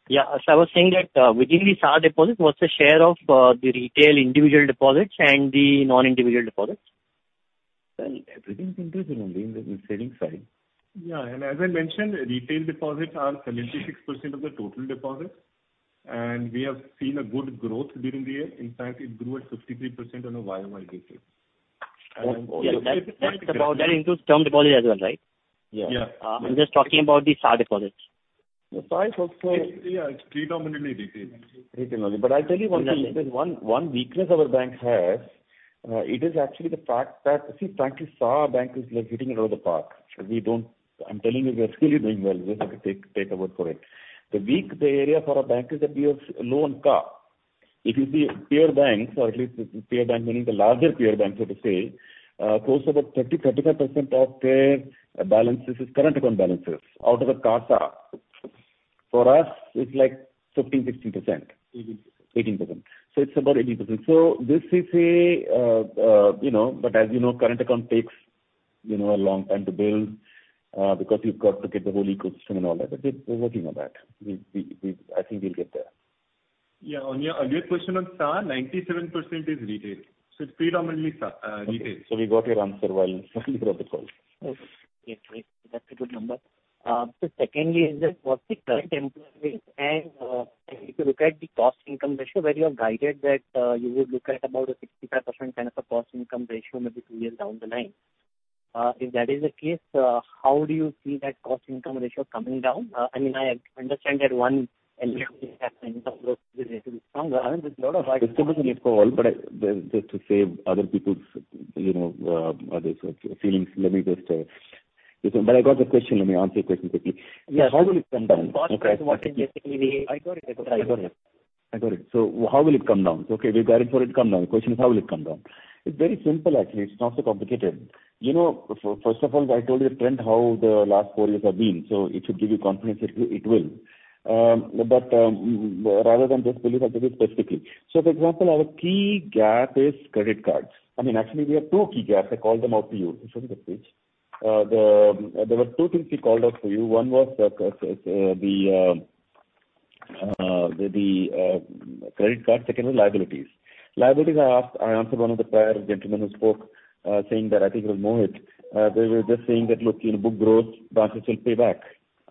Yeah. I was saying that, within the CAR deposit, what's the share of the retail individual deposits and the non-individual deposits? Well, everything is individual only in the savings side. Yeah. As I mentioned, retail deposits are 76% of the total deposits. We have seen a good growth during the year. In fact, it grew at 53% on a YOY basis. That includes term deposits as well, right? Yeah. Yeah. I'm just talking about the CAR deposits. The CAR is also. Yeah. It's predominantly retail. Retail only. I tell you one thing. There's one weakness our bank has. it is actually the fact that, see, frankly, CAR our bank is, like, hitting it out of the park. I'm telling you, we are really doing well. Just take our word for it. The weak area for our bank is that we have low on CASA. If you see peer banks, or at least peer bank, meaning the larger peer banks so to say, close to about 30%-35% of their balances is current account balances out of the CASA. For us, it's like 15%-16%. 18%. 18%. It's about 18%. This is a, you know, as you know, current account takes, you know, a long time to build, because you've got to get the whole ecosystem and all that. We're working on that. I think we'll get there. Yeah. On your earlier question on CAR, 97% is retail. It's predominantly retail. Okay. We got your answer while you were on the call. Okay. That's a good number. Secondly is that what's the current employee base? If you look at the cost income ratio where you have guided that, you would look at about a 65% kind of a cost income ratio maybe two years down the line. If that is the case, how do you see that cost income ratio coming down? I understand that one element is that income growth is a little stronger. There's a lot of. It's a good call. Just to save other people's, you know, other's feelings, let me just. I got the question. Let me answer your question quickly. How will it come down? I got it. I got it. How will it come down? Okay. We've guided for it to come down. The question is how will it come down? It's very simple actually. It's not so complicated. You know, first of all, I told you the trend how the last four years have been. It should give you confidence that it will. But rather than just believe, I'll tell you specifically. For example, our key gap is credit cards. I mean, actually, we have two key gaps. I called them out to you. It's on the page. The, there were two things we called out for you. One was the credit card. Second was liabilities. Liabilities I asked, I answered one of the prior gentleman who spoke, saying that, I think it was Mohit. They were just saying that, "Look, you know, book growth, branches will pay back."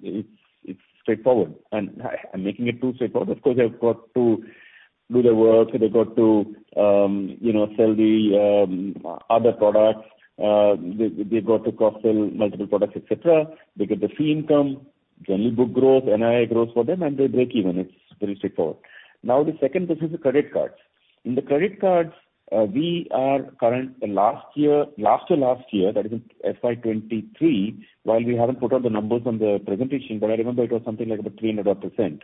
It's straightforward. I'm making it too straightforward. Of course, they've got to do their work. They've got to, you know, sell the other products. They've got to cross-sell multiple products, et cetera. They get the fee income. Generally book grows, NIM grows for them and they break even. It's very straightforward. The second piece is the credit cards. In the credit cards, we are current. Last year, last to last year, that is in FY 2023, while we haven't put out the numbers on the presentation, but I remember it was something like about 300%.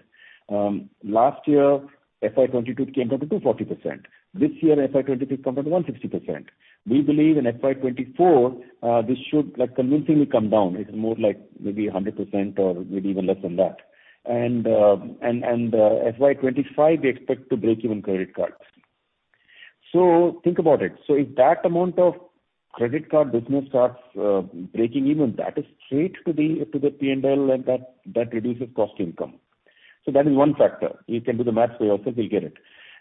Last year, FY 2022, it came down to 240%. This year, FY 2023, it came down to 160%. We believe in FY 2024, this should like convincingly come down. It's more like maybe 100% or maybe even less than that. FY 2025, we expect to break even credit cards. Think about it. If that amount of credit card business starts breaking even, that is straight to the P&L, and that reduces cost income. That is one factor. You can do the math for yourself, you'll get it.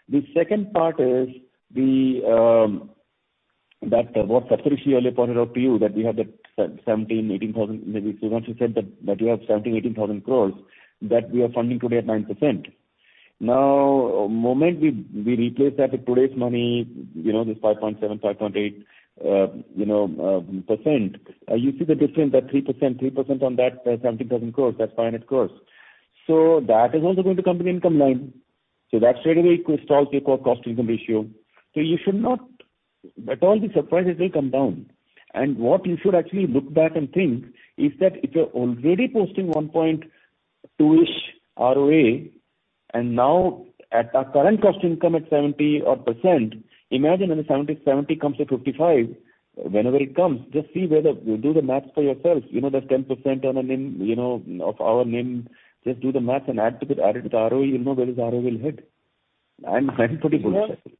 The second part is that what Satish earlier pointed out to you that we have that 17,000-18,000, maybe Sudhanshu said that we have 17,000-18,000 INR crores that we are funding today at 9%. Now, moment we replace that with today's money, you know, this 5.7%, 5.8%, you know, you see the difference, that 3% on that 17,000 crores, that's INR finite crores. That is also going to come to the income line. That straightaway installs your core cost-income ratio. You should not at all be surprised as they come down. What you should actually look back and think is that if you're already posting 1.2-ish ROA, and now at our current cost income at 70 odd percent, imagine when the 70 comes to 55, whenever it comes, just see whether, do the math for yourself. You know that 10% on a NIM, you know, of our NIM, just do the math and add it with the ROE, you'll know where this ROE will hit. That is pretty good actually.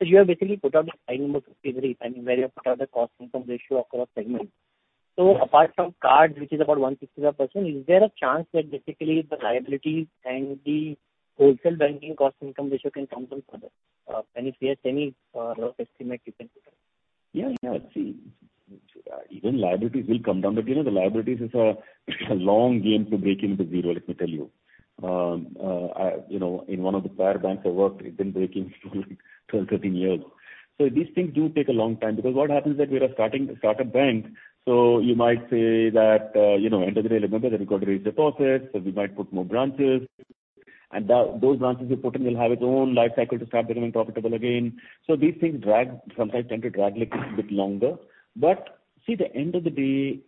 Sir, you have basically put out the slide number 53, I mean, where you have put out the cost-income ratio across segments. Apart from cards, which is about 165%, is there a chance that basically the liabilities and the wholesale banking cost-income ratio can come down further? And if yes, any rough estimate you can put up? Yeah, yeah. See, even liabilities will come down. You know, the liabilities is a long game to break into zero, let me tell you. I, you know, in one of the prior banks I worked, it didn't break even for like 12-13 years. These things do take a long time because what happens that we are starting a startup bank, you might say that, you know, end of the day, remember that we've got to raise deposits, we might put more branches. Those branches we put in will have its own life cycle to start becoming profitable again. These things drag, sometimes tend to drag a little bit longer. See, the end of the day,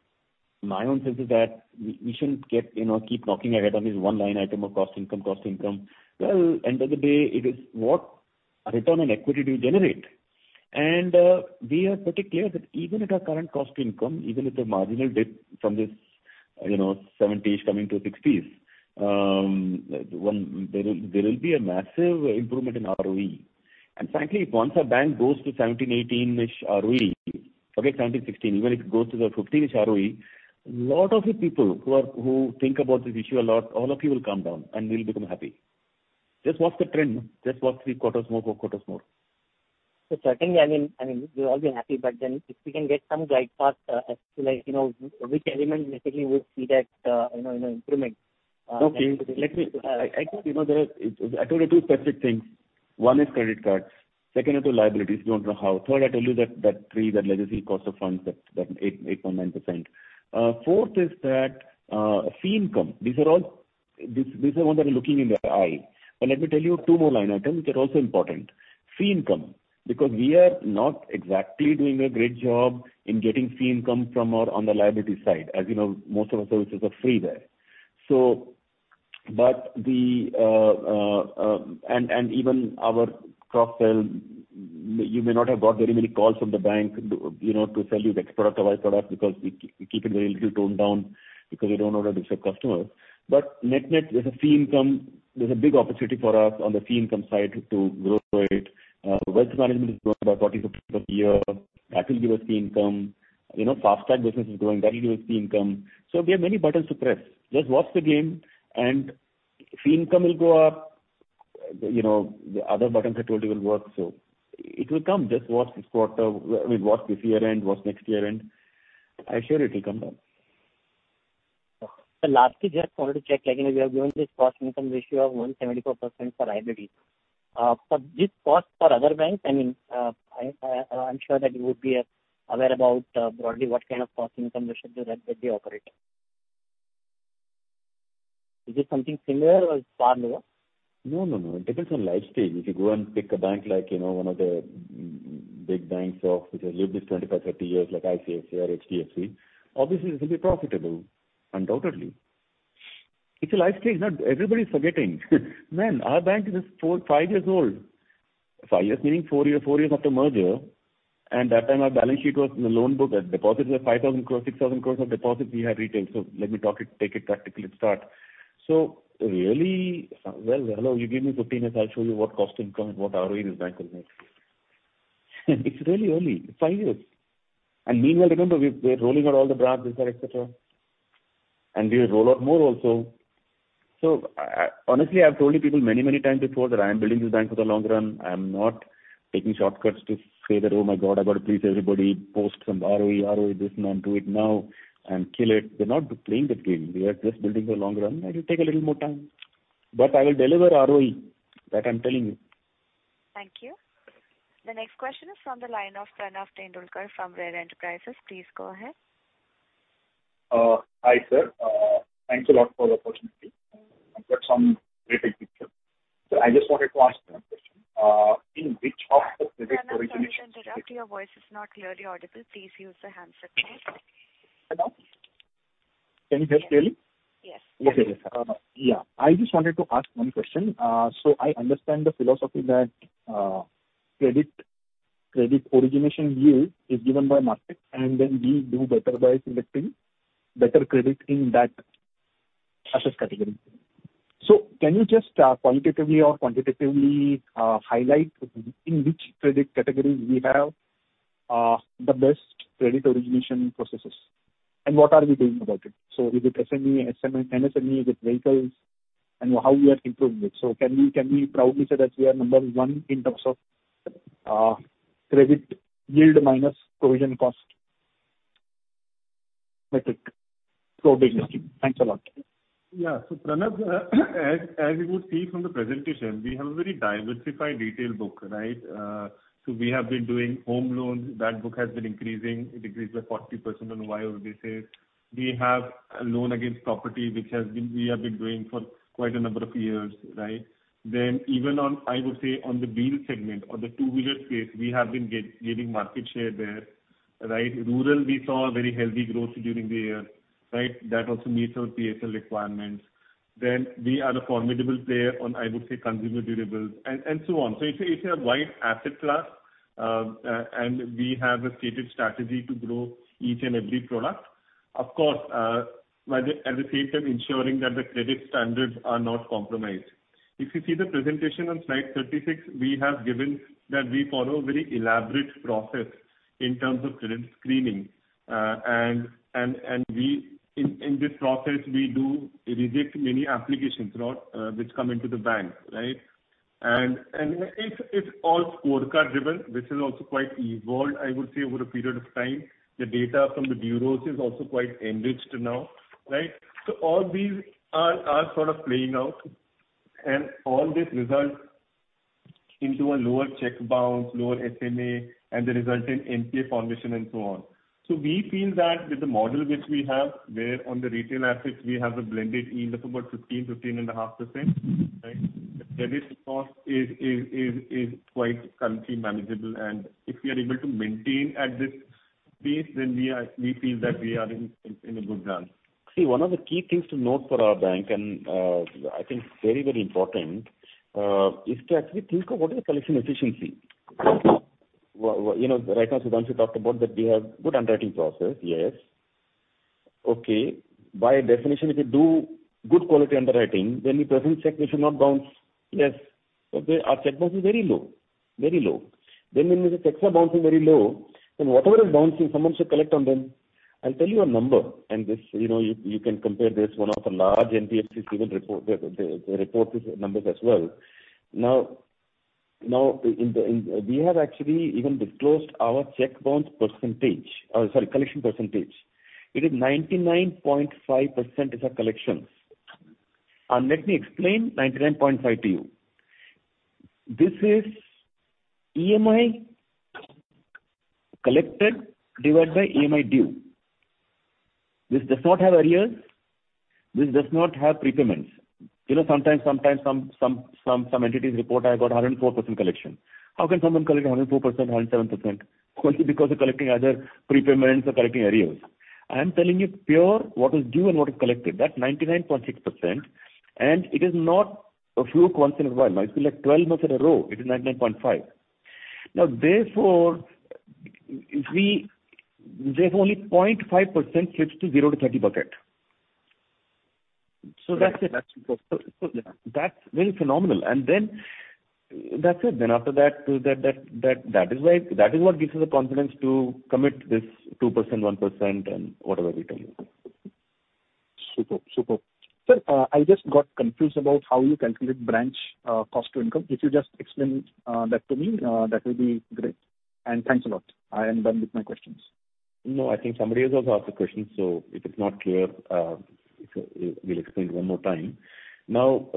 my own sense is that we shouldn't get, you know, keep knocking our head on this one line item of cost income. Well, end of the day it is what return on equity do you generate. And we are pretty clear that even at our current cost income, even with a marginal dip from this, you know, 70s coming to 60s, one, there will be a massive improvement in ROE. And frankly, once our bank goes to 17-18-ish ROE, forget 17, 16, even if it goes to the 15-ish ROE, lot of the people who think about this issue a lot, all of you will calm down, and we'll become happy. Just watch the trend. Just watch 3 quarters more, 4 quarters more. Certainly, I mean we'll all be happy, if we can get some guide path, as to like, you know, which element basically would see that, you know, improvement? Okay. Let me I think, you know, there are, I told you two separate things. One is credit cards, second are the liabilities. You don't know how. Third, I tell you that three, that legacy cost of funds, that 8.9%. Fourth is that fee income. These are all, these are the ones that are looking in the eye. Let me tell you two more line items which are also important. Fee income, because we are not exactly doing a great job in getting fee income from our, on the liability side. As you know, most of our services are free there. And even our cross-sell, you may not have got very many calls from the bank to, you know, to sell you this product or that product because we keep it very little toned down because we don't wanna disturb customers. Net-net, there's a fee income, there's a big opportunity for us on the fee income side to grow it. Wealth management is growing about 40% per year. That will give us fee income. You know, FASTag business is growing, that will give us fee income. We have many buttons to press. Just watch the game and fee income will go up. You know, the other buttons I told you will work. It will come. Just watch this quarter. I mean, watch this year end, watch next year end. I assure it will come down. Sir, lastly, just wanted to check, like, you know, you have given this cost-income ratio of 174% for liabilities. For this cost for other banks, I mean, I'm sure that you would be aware about broadly what kind of cost-income ratio that they operate. Is it something similar or far lower? No, no. It depends on life stage. If you go and pick a bank like, you know, one of the big banks of which has lived this 25-30 years, like ICICI or HDFC, obviously this will be profitable, undoubtedly. It's a life stage. Now everybody's forgetting. Man, our bank is just 4-5 years old. five years, meaning four years after merger, and that time our balance sheet was in the loan book. Our deposits were 5,000 crores, 6,000 crores of deposits we had retained. Let me talk it, take it that to clip start. Really, well, hello, you give me 15 years, I'll show you what cost income and what ROE this bank will make. It's really early. It's 5 years. Meanwhile remember we've, we're rolling out all the brands, this, that, et cetera. We will roll out more also. Honestly, I've told you people many, many times before that I am building this bank for the long run. I'm not taking shortcuts to say that, "Oh my God, I've got to please everybody, post some ROE this and onto it now and kill it." We're not playing that game. We are just building for the long run and it'll take a little more time. I will deliver ROE, that I'm telling you. Thank you. The next question is from the line of Pranav Tendolkar from Rare Enterprises. Please go ahead. Hi, sir. Thanks a lot for the opportunity. I've got some retail picture. I just wanted to ask one question. In which of the credit origination- Pranav, sorry to interrupt. Your voice is not clearly audible. Please use the handset, please. Hello. Can you hear clearly? Yes. Okay. Yeah. I just wanted to ask one question. I understand the philosophy that credit origination yield is given by market, and then we do better by selecting better credit in that assets category. Can you just qualitatively or quantitatively highlight in which credit categories we have the best credit origination processes, and what are we doing about it? Is it SME, NSME, is it vehicles, and how we are improving it. Can we proudly say that we are number one in terms of credit yield minus provision cost? Metric. Big. Thanks a lot. Yeah. Pranav, as you would see from the presentation, we have a very diversified retail book, right? We have been doing home loans. That book has been increasing. It increased by 40% YOY this year. We have a loan against property which we have been doing for quite a number of years, right? Even on, I would say, on the wheel segment or the two-wheeler space, we have been gaining market share there, right? Rural, we saw a very healthy growth during the year, right? That also meets our PSL requirements. We are a formidable player on, I would say, consumer durables and so on. It's a wide asset class, and we have a stated strategy to grow each and every product. Of course, while at the same time ensuring that the credit standards are not compromised. If you see the presentation on slide 36, we have given that we follow a very elaborate process in terms of credit screening. In this process, we do reject many applications which come into the bank. It's all scorecard driven, which has also quite evolved, I would say, over a period of time. The data from the bureaus is also quite enriched now. All these are sort of playing out, and all this results into a lower check bounce, lower SMA, and the result in NPA formation and so on. We feel that with the model which we have, where on the retail assets we have a blended yield of about 15 and a half percent. The credit cost is quite currently manageable. If we are able to maintain at this pace, then we feel that we are in a good run. See, one of the key things to note for our bank, I think very, very important, is to actually think of what is the collection efficiency. Well, you know, right now, Sudhanshu talked about that we have good underwriting process. Yes. Okay. By definition, if you do good quality underwriting, then the present check we should not bounce. Yes. Okay. Our check bounce is very low. Very low. When the checks are bouncing very low, then whatever is bouncing, someone should collect on them. I'll tell you a number, this, you know, you can compare this. One of the large NBFCs even report the, they report these numbers as well. Now We have actually even disclosed our check bounce percentage. Sorry, collection percentage. It is 99.5% is our collections. Let me explain 99.5 to you. This is EMI collected divided by EMI due. This does not have arrears. This does not have prepayments. You know, sometimes some entities report I got a 104% collection. How can someone collect a 104%, 107%? Only because they're collecting other prepayments or collecting arrears. I am telling you pure what is due and what is collected. That's 99.6%, and it is not a fluke once in a while. It's been like 12 months in a row, it is 99.5. Therefore, only 0.5% slips to 0 to 30 bucket. That's it. That's impressive. That's very phenomenal. Then that's it. After that is why, that is what gives us the confidence to commit this 2%, 1% and whatever we tell you. Superb. Superb. Sir, I just got confused about how you calculate branch, cost to income. If you just explain that to me, that will be great. Thanks a lot. I am done with my questions. I think somebody else has asked the question, if it's not clear, we'll explain it one more time.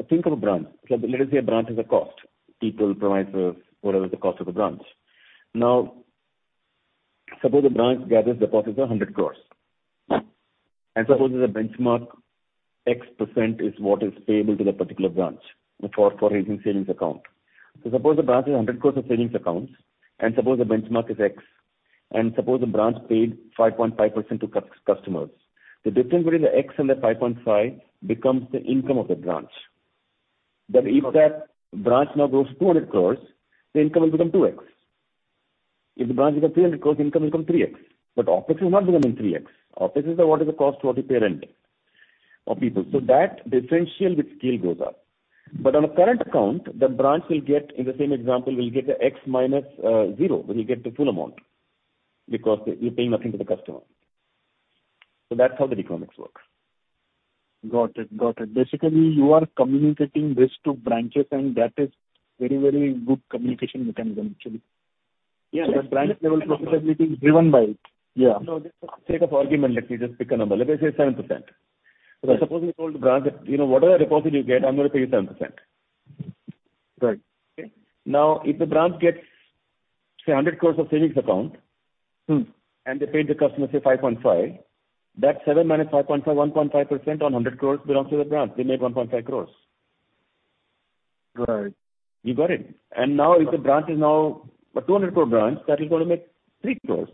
Think of a branch. Let us say a branch has a cost. People, premises, whatever is the cost of the branch. Suppose the branch gathers deposits of 100 crores. Suppose the benchmark X% is what is payable to that particular branch for raising Savings Account. Suppose the branch has 100 crores of Savings Accounts, suppose the benchmark is X, suppose the branch paid 5.5% to customers. The difference between the X and the 5.5 becomes the income of the branch. If that branch now grows to 200 crores, the income will become 2X. If the branch becomes 300 crores, income becomes 3X. OpEx will not become in 3X. OpEx is the what is the cost to our parent of people. That differential with scale goes up. On a current account, the branch will get, in the same example, will get the X minus zero, when you get the full amount because you pay nothing to the customer. That's how the economics works. Got it. Basically, you are communicating this to branches and that is very, very good communication mechanism actually. Yeah. The branch level profitability is driven by it. Yeah. You know, just for sake of argument, let me just pick a number. Let me say 7%. Suppose we told the branch that, you know, whatever deposits you get, I'm gonna pay you 7%. Right. Okay? Now, if the branch gets, say, 100 crore of savings account- Mm-hmm. They paid the customer, say, 5.5, that 7 minus 5.5, 1.5% on 100 crores belongs to the branch. They made 1.5 crores. Right. You got it? Now if the branch is now a 200 crore branch, that is going to make 3 crores.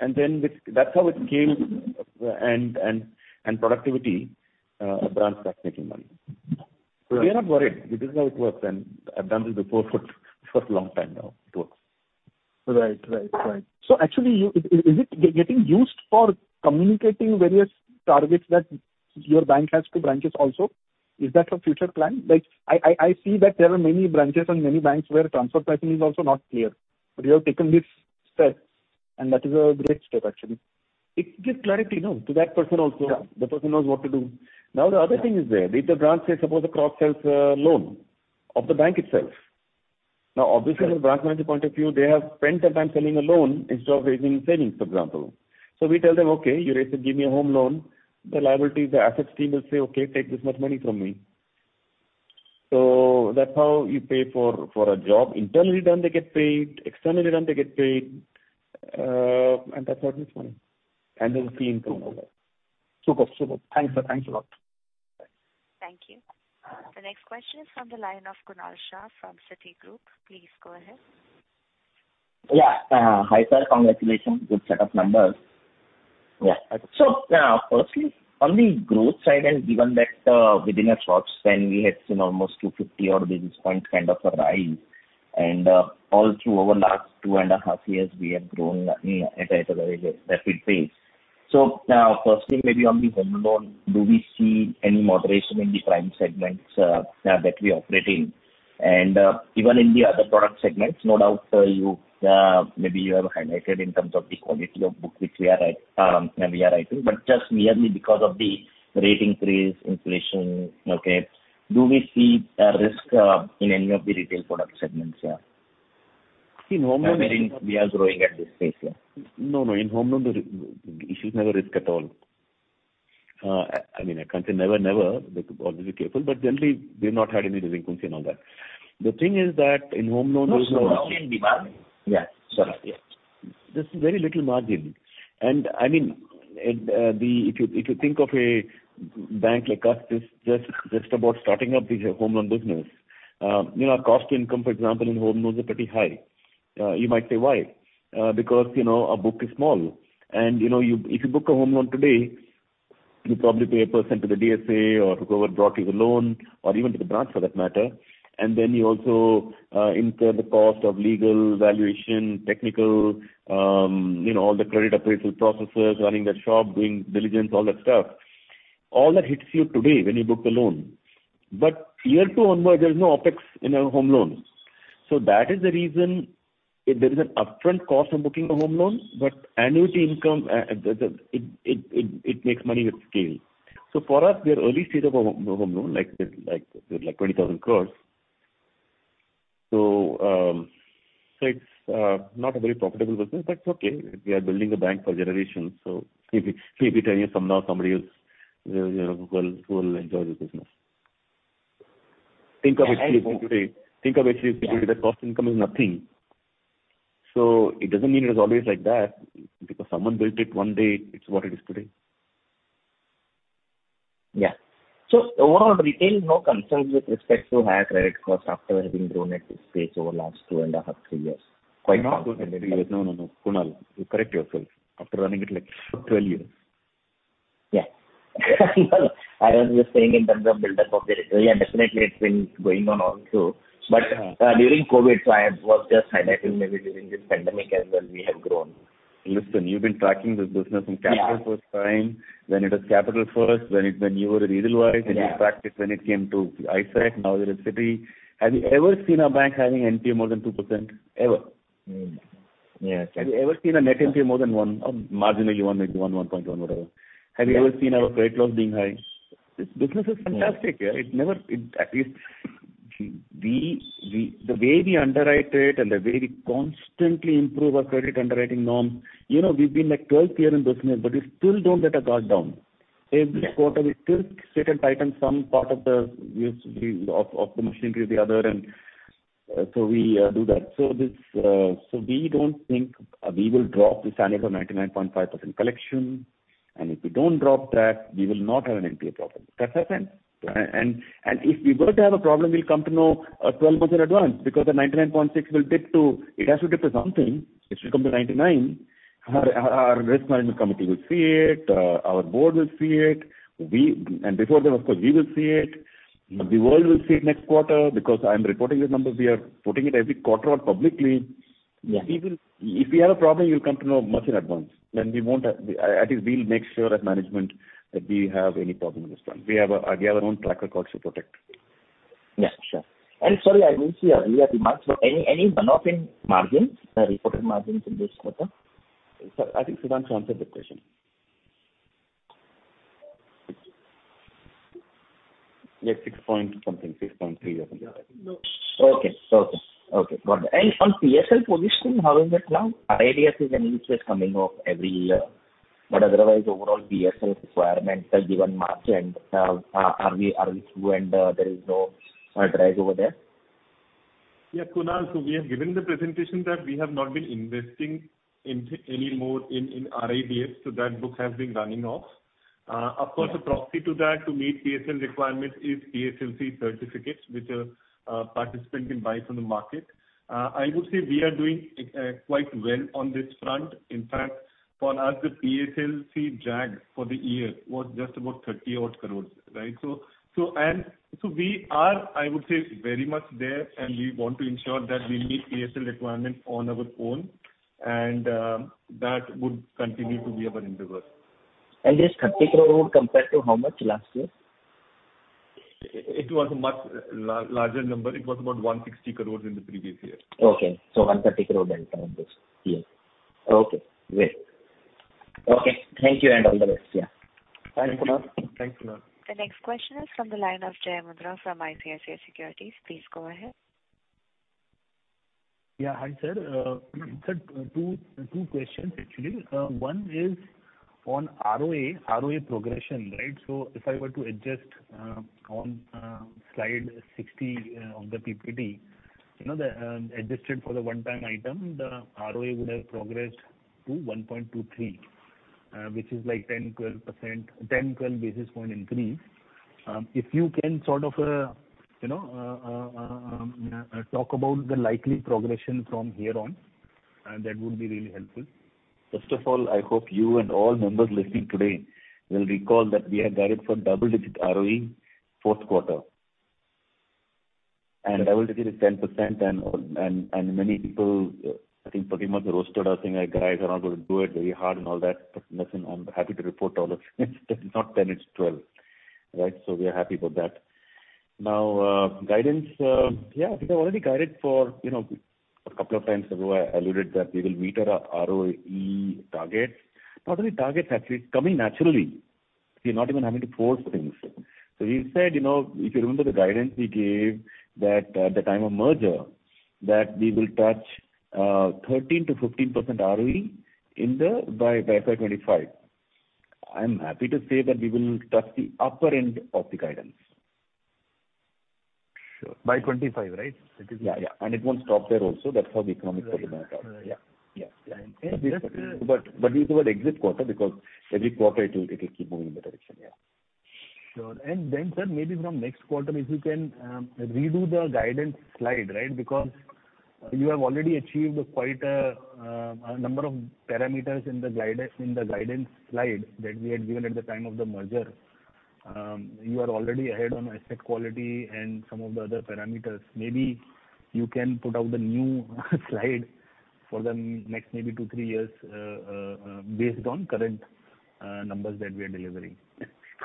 That's how it came and productivity, a branch starts making money. Right. We are not worried. This is how it works. I've done this before for a long time now. It works. Right. Right. Right. Actually, you, is it getting used for communicating various targets that your bank has to branches also? Is that a future plan? Like I see that there are many branches and many banks where transfer pricing is also not clear. You have taken this step, and that is a great step actually. It gives clarity, no, to that person also. Yeah. The person knows what to do. The other thing is there. If the branch, suppose the cross sells a loan of the bank itself. Obviously from a branch manager point of view, they have spent their time selling a loan instead of raising savings, for example. We tell them, "Okay, you raised it, give me a home loan." The liability, the assets team will say, "Okay, take this much money from me." That's how you pay for a job. Internally done, they get paid. Externally done, they get paid. That's how it makes money. There's fee income over there. Super, super. Thanks, sir. Thanks a lot. Thanks. Thank you. The next question is from the line of Kunal Shah from Citigroup. Please go ahead. Yeah. Hi, sir. Congratulations. Good set of numbers. Yeah. Firstly, on the growth side, and given that, within a short span we had seen almost 250 odd basis points kind of a rise, and all through over last two and a half years we have grown at a very rapid pace. Firstly, maybe on the home loan, do we see any moderation in the prime segments that we operate in? Even in the other product segments, no doubt, you maybe you have highlighted in terms of the quality of book which we are at, we are writing, but just merely because of the rate increase, inflation, okay, do we see a risk in any of the retail product segments, yeah? See, in home loan. I mean, we are growing at this pace, yeah. No, no. In home loan there is never risk at all. I mean, I can't say never. We have to always be careful. generally we've not had any delinquency and all that. The thing is that in home loan there's. No, no. In demand. Yeah. Sorry. Yeah. There's very little margin. I mean, if you think of a bank like us just about starting up the home loan business, you know, our cost income, for example, in home loans are pretty high. You might say, "Why?" Because, you know, our book is small. You know, if you book a home loan today, you probably pay 1% to the DSA or whoever brought you the loan or even to the branch for that matter, then you also incur the cost of legal, valuation, technical, you know, all the credit appraisal processes, running their shop, doing diligence, all that stuff. All that hits you today when you book the loan. Year two onward, there's no OpEx in a home loan. That is the reason if there is an upfront cost of booking a home loan, but annuity income, it makes money with scale. For us, we are early stage of a home loan, like 20,000 crores. It's not a very profitable business, but it's okay. We are building a bank for generations, if it 10 years from now somebody else, you know, will enjoy this business. Think of HDFC today. Think of HDFC today. The cost income is nothing. It doesn't mean it was always like that. Because someone built it one day, it's what it is today. Yeah. overall retail, no concerns with respect to higher credit cost after having grown at this pace over last two and a half, three years. Quite confident... No, no. Kunal, correct yourself. After running it like 12 years. Yeah. I was just saying in terms of build up of the retail. Yeah, definitely it's been going on also. Yeah. During COVID, so I was just highlighting maybe during this pandemic as well we have grown. Listen, you've been tracking this business from Capital First time. Yeah. When it was Capital First, when you were at Ruralwise. Yeah. You tracked it when it came to ICICI, now you're at Citi. Have you ever seen a bank having NPA more than 2%? Ever? No. Yeah. Have you ever seen a net NPA more than one or marginally one maybe, one, 1.1, whatever? Yeah. Have you ever seen our credit loss being high? This business is fantastic. Yeah. It never, at least we, the way we underwrite it and the way we constantly improve our credit underwriting norm, you know, we've been like 12th year in business, but we still don't let our guard down. Yeah. Every quarter we still sit and tighten some part of the machinery or the other, and so we do that. This, so we don't think we will drop this standard of 99.5% collection. If we don't drop that, we will not have an NPA problem. That's our plan. Right. If we were to have a problem, we'll come to know 12 months in advance because the 99.6 will dip to, it has to dip to something. It should come to 99. Our risk management committee will see it. Our board will see it. Before them, of course, we will see it. The world will see it next quarter because I'm reporting these numbers. We are putting it every quarter out publicly. Yeah. If we have a problem, you'll come to know much in advance. At least we'll make sure as management that we have any problem with this one. We have our own track record to protect. Yeah. Sure. Sorry, I missed your earlier remarks. Any runoff in margins, reported margins in this quarter? Sir, I think Sudarshan answered that question. Yeah. 6 point something. 6.3 or something. Yeah. Okay. Okay. Okay. Got it. On PSL positioning, how is it now? Arrears is an interest coming off every year. Otherwise, overall DSL requirements are given margin. Are we through and there is no drive over there? Yeah, Kunal. We have given the presentation that we have not been investing in any more in RADS, so that book has been running off. Yeah. Of course, a proxy to that to meet PSL requirements is PSLC certificates which a participant can buy from the market. I would say we are doing quite well on this front. In fact, for us, the PSLC drag for the year was just about 30-odd crores, right? We are, I would say, very much there, and we want to ensure that we meet PSL requirements on our own and that would continue to be our endeavor. This 30 crore would compare to how much last year? It was a much larger number. It was about 160 crores in the previous year. Okay. 130 crore downtime this year. Okay, great. Okay, thank you and all the best. Yeah. Thanks, Kunal. Thank you. Thanks, Kunal. The next question is from the line of Jai Mundra from ICICI Securities. Please go ahead. Yeah, hi, sir. Sir, two questions actually. One is on ROA progression, right? If I were to adjust on slide 60 of the PPT, you know, the adjusted for the one-time item, the ROA would have progressed to 1.23, which is like 10-12%, 10-12 basis point increase. If you can sort of, you know, talk about the likely progression from here on, that would be really helpful. First of all, I hope you and all members listening today will recall that we have guided for double-digit ROE fourth quarter. Double digit is 10% and many people, I think, pretty much roasted us saying that, "Guys are not going to do it. Very hard," and all that. Listen, I'm happy to report all of it's not 10, it's 12, right? We are happy about that. Now, guidance, yeah, we have already guided for, you know, a couple of times ago, I alluded that we will meet our ROE targets. Not only targets actually, it's coming naturally. We're not even having to force things. We said, you know, if you remember the guidance we gave that at the time of merger, that we will touch 13%-15% ROE in the, by FY 2025. I am happy to say that we will touch the upper end of the guidance. Sure. By 2025, right? Yeah, yeah. It won't stop there also. That's how the economics of the bank are. Right. Right. Yeah, yeah. Just. We use the word exit quarter because every quarter it will keep moving in that direction, yeah. Sure. Sir, maybe from next quarter, if you can redo the guidance slide, right? You have already achieved quite a number of parameters in the guidance slide that we had given at the time of the merger. You are already ahead on asset quality and some of the other parameters. Maybe you can put out the new slide for the next maybe two, three years, based on current numbers that we are delivering.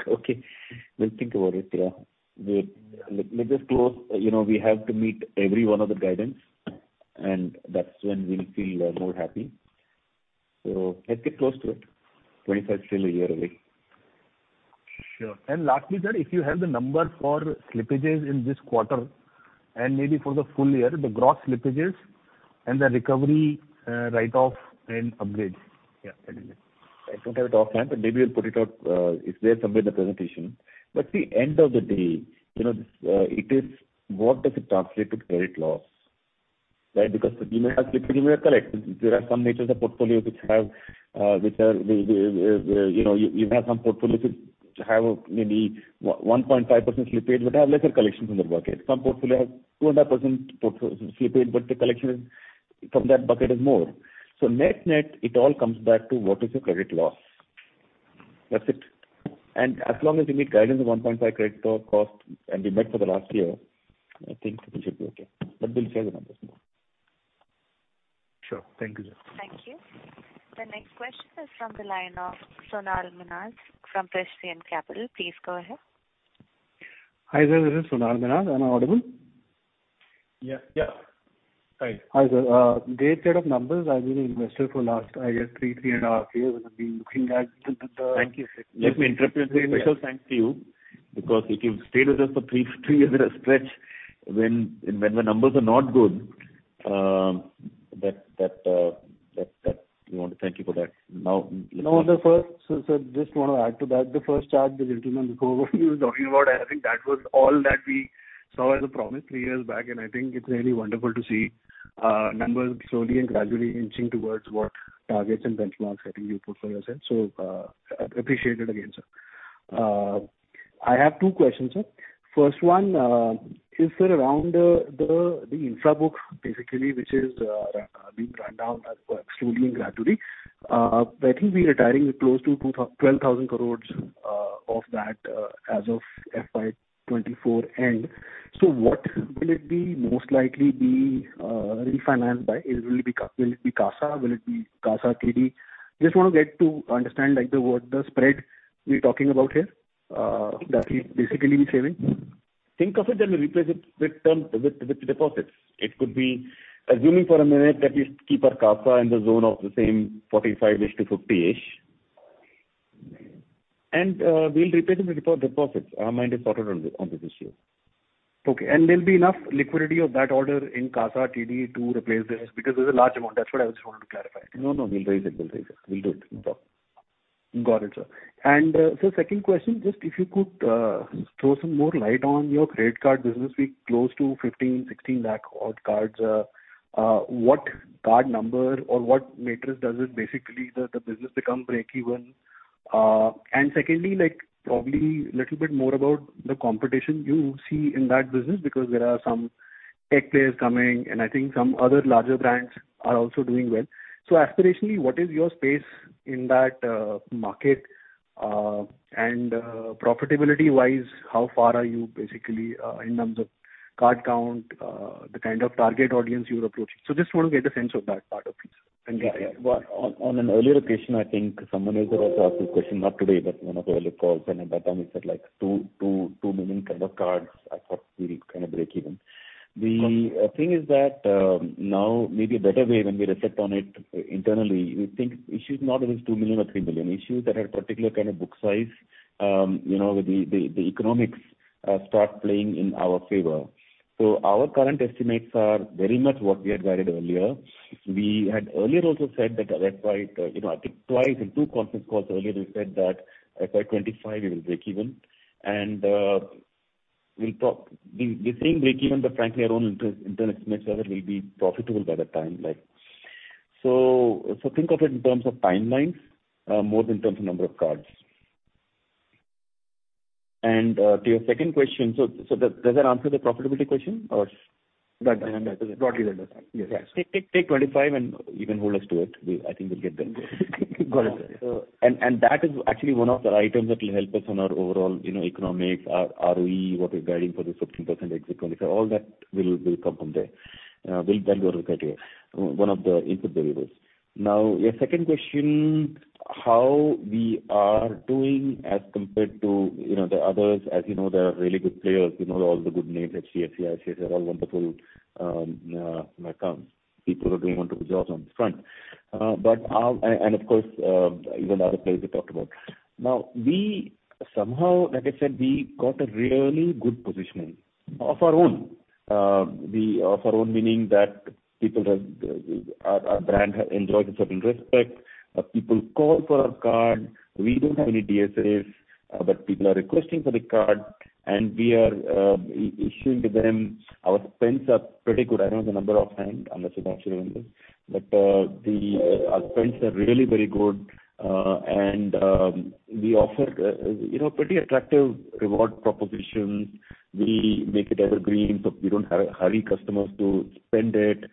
Okay. We'll think about it, yeah. Let's just close. You know, we have to meet every one of the guidance, and that's when we'll feel more happy. Let's get close to it. 25 is still a year away. Sure. Lastly, sir, if you have the number for slippages in this quarter, and maybe for the full year, the gross slippages and the recovery, write-off and upgrades? Yeah. I don't have it offhand, but maybe we'll put it out. It's there somewhere in the presentation. See, end of the day, you know, it is what does it translate to credit loss, right? Because you may have slippage, you may have collected. There are some natures of portfolio which have, which are, you know, you have some portfolios which have maybe 1.5% slippage, but have lesser collections in their bucket. Some portfolio have 2.5% slippage, but the collection from that bucket is more. Net-net, it all comes back to what is your credit loss. That's it. As long as we meet guidance of 1.5 credit cost, and we met for the last year, I think we should be okay. We'll share the numbers more. Sure. Thank you, sir. Thank you. The next question is from the line of Sonal Minhas from Prescient Capital. Please go ahead. Hi there, this is Sonal Minhas. Am I audible? Yeah. Yeah. Hi. Hi, sir. great set of numbers. I've been an investor for last, I guess, three and a half years. I've been looking at the. Thank you. Let me interpret this as a special thanks to you, because if you've stayed with us for 3 years at a stretch when the numbers are not good, that we want to thank you for that. The first... Sir, just want to add to that. The first chart the gentleman before me was talking about, I think that was all that we saw as a promise three years back, and I think it's really wonderful to see numbers slowly and gradually inching towards what targets and benchmarks I think you put for yourself. Appreciate it again, sir. I have two questions, sir. First one is around the infra book basically, which is being run down slowly and gradually. I think we're retiring close to 12,000 crore of that as of FY 2024 end. What will it be most likely be refinanced by? Will it be CASA? Will it be CASA TD? Just want to get to understand, like, what the spread we're talking about here, that we'll basically be saving. Think of it and we replace it with deposits. It could be assuming for a minute that we keep our CASA in the zone of the same 45-ish to 50-ish. We'll repay them with deposits. Our mind is sorted on to this issue. Okay. There'll be enough liquidity of that order in CASA TD to replace this? Because it's a large amount, that's what I just wanted to clarify. No, no. We'll raise it. We'll raise it. We'll do it, no problem. Got it, sir. Second question, just if you could throw some more light on your credit card business, be close to 15, 16 lakh odd cards. What card number or what matrix does it basically the business become breakeven? Secondly, like, probably little bit more about the competition you see in that business because there are some tech players coming and I think some other larger brands are also doing well. Aspirationally, what is your space in that market? Profitability-wise, how far are you basically in terms of card count, the kind of target audience you're approaching? Just want to get a sense of that part of it, sir. Thank you. Yeah, yeah. Well, on an earlier occasion, I think someone else had also asked this question, not today, but one of the earlier calls and at that time we said like 2 million kind of cards, I thought we'll kind of breakeven. The thing is that, now maybe a better way when we reflect on it internally, we think issue is not whether it's 2 million or 3 million, issue is at a particular kind of book size, you know, the economics start playing in our favor. Our current estimates are very much what we had guided earlier. We had earlier also said that by, you know, I think twice in two conference calls earlier we said that by 2025 we will breakeven and we'll talk... We're saying breakeven, but frankly our own internal estimates are that we'll be profitable by that time. Like, so think of it in terms of timelines, more than in terms of number of cards. to your second question. does that answer the profitability question or? That broadly does, yes. Yeah. Take 2025 and you can hold us to it. I think we'll get there. Got it, sir. That is actually one of the items that will help us on our overall, you know, economics, our ROE, what we're guiding for this 15% exit 2024. All that will come from there. That'll be our criteria, one of the input variables. Your second question, how we are doing as compared to, you know, the others. You know, there are really good players. You know all the good names, HDFC, Axis, they're all wonderful, like, people are doing wonderful jobs on this front. Of course, even other players we talked about. We somehow, like I said, we got a really good positioning of our own. Of our own meaning that people have, our brand enjoys a certain respect. People call for our card. We don't have any DSAs, but people are requesting for the card and we are issuing to them. Our spends are pretty good. I don't know the number offhand, unless Siddharth you remember. The, our spends are really very good. And, we offer, you know, pretty attractive reward propositions. We make it evergreen, so we don't hurry customers to spend it.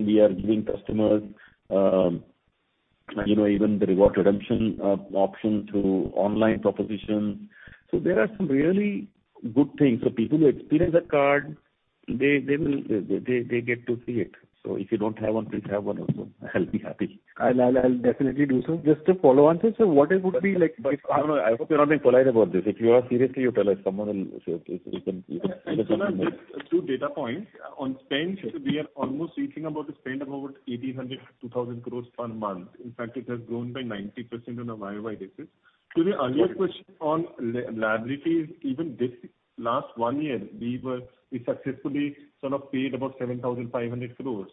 We are giving customers, you know, even the reward redemption option through online propositions. There are some really good things. People who experience the card, they will get to see it. If you don't have one, please have one also. I'll be happy. I'll definitely do so. Just a follow on, sir. What it would be like- I hope you're not being polite about this. If you are, seriously, you tell us. Someone will. Two data points. On spends, we are almost reaching about a spend of over 1,800-2,000 crores per month. In fact, it has grown by 90% on a YoY basis. To the earlier question on liabilities, even this last one year, we successfully sort of paid about 7,500 crores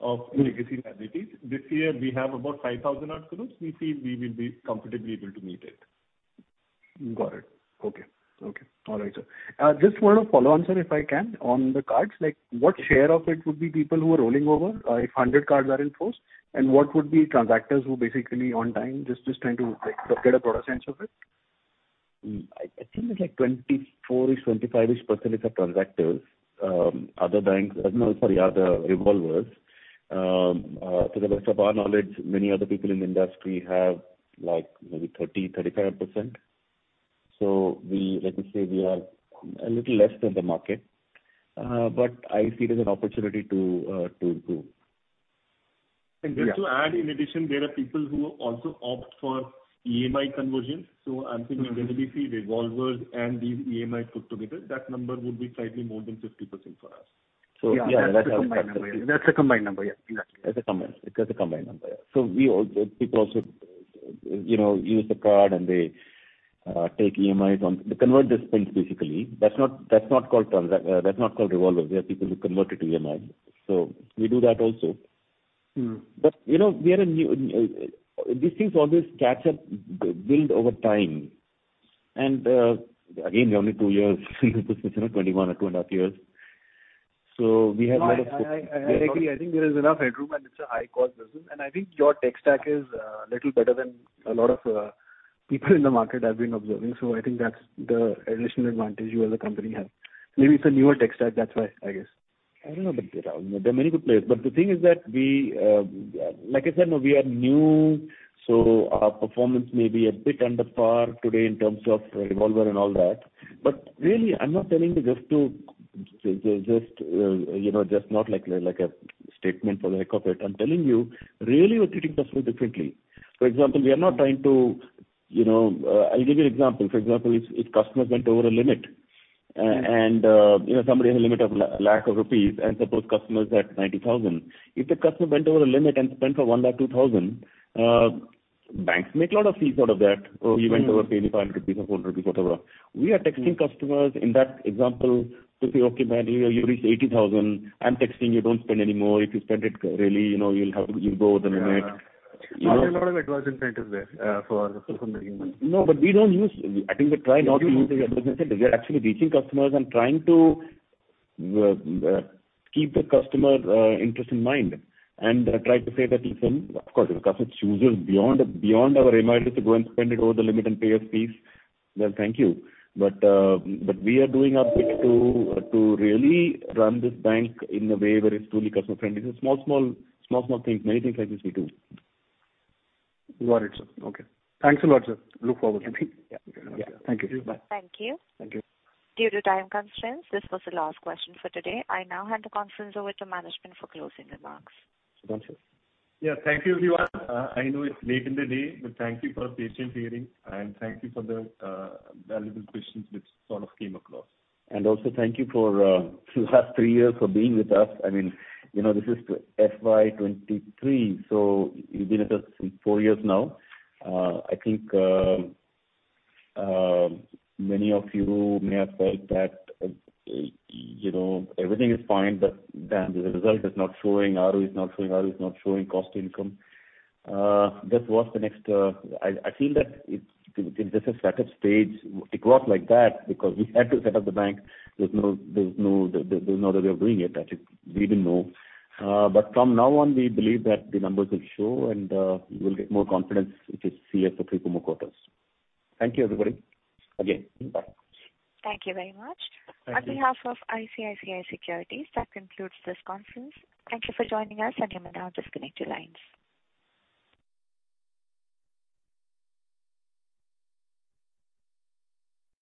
of legacy liabilities. This year, we have about 5,000 odd crores. We feel we will be comfortably able to meet it. Got it. Okay. Okay. All right, sir. Just one follow on, sir, if I can, on the cards. Like, what share of it would be people who are rolling over, if 100 cards are in force? What would be transactors who basically on time just trying to like get a broader sense of it? I think it's like 24-ish, 25-ish% is the transactors. Other banks... No, sorry. Other revolvers. to the best of our knowledge, many other people in the industry have like maybe 30, 35%. We, like I say, we are a little less than the market. I see it as an opportunity to improve. Just to add in addition, there are people who also opt for EMI conversions. I'm thinking when we see revolvers and these EMI put together, that number would be slightly more than 50% for us. Yeah. That's a combined number. Yeah. That's a combined number. Yeah. Exactly. That's a combined number. Yeah. People also, you know, use the card and they take EMIs on. They convert their spends basically. That's not called revolvers. They are people who convert it to EMIs. We do that also. Mm. You know, we are a new, these things always catch up, build over time. Again, we're only two years in this business, you know, 21 or two and a half years. We have a lot of- No, I agree. I think there is enough headroom and it's a high cost business. I think your tech stack is little better than a lot of people in the market I've been observing. I think that's the additional advantage you as a company have. Maybe it's a newer tech stack, that's why, I guess. I don't know. There are many good players. The thing is that we, like I said, no, we are new, so our performance may be a bit under par today in terms of revolver and all that. Really, I'm not telling you just to, you know, just not like a statement for the heck of it. I'm telling you really we're treating customers differently. For example, we are not trying to, you know. I'll give you an example. For example, if customer went over a limit, you know, somebody has a limit of 1 lakh rupees, and suppose customer is at 90,000. If the customer went over the limit and spent for 102,000, banks make a lot of fees out of that. He went over paying INR 500 or 400 rupees, whatever. We are texting customers in that example to say, "Okay, man, you know, you reached 80,000. I'm texting you, don't spend any more. If you spend it, really, you know, you'll go over the limit." Yeah. There's not a lot of advance incentive there for the customer anyway. No, I think we try not to use the advance incentive. We are actually reaching customers and trying to keep the customer interest in mind and try to say that, listen, of course, if a customer chooses beyond our reminders to go and spend it over the limit and pay us fees, well, thank you. We are doing our bit to really run this bank in a way where it's truly customer-friendly. Small, small, small things, many things like this we do. Got it, sir. Okay. Thanks a lot, sir. Look forward to it. Yeah. Thank you. Bye. Thank you. Thank you. Due to time constraints, this was the last question for today. I now hand the conference over to management for closing remarks. Siddhant, sir. Yeah. Thank you, everyone. I know it's late in the day, but thank you for patiently hearing, and thank you for the valuable questions which sort of came across. Also thank you for last three years for being with us. I mean, you know, this is FY 2023, so you've been with us four years now. I think many of you may have felt that, you know, everything is fine, but the result is not showing, ROE is not showing cost income. This was the next. I feel that this is a startup stage. It was like that because we had to set up the bank. There's no other way of doing it. I think we didn't know. From now on, we believe that the numbers will show and you will get more confidence if you see us for few more quarters. Thank you, everybody. Again, bye. Thank you very much. Thank you. On behalf of ICICI Securities, that concludes this conference. Thank you for joining us, and you may now disconnect your lines.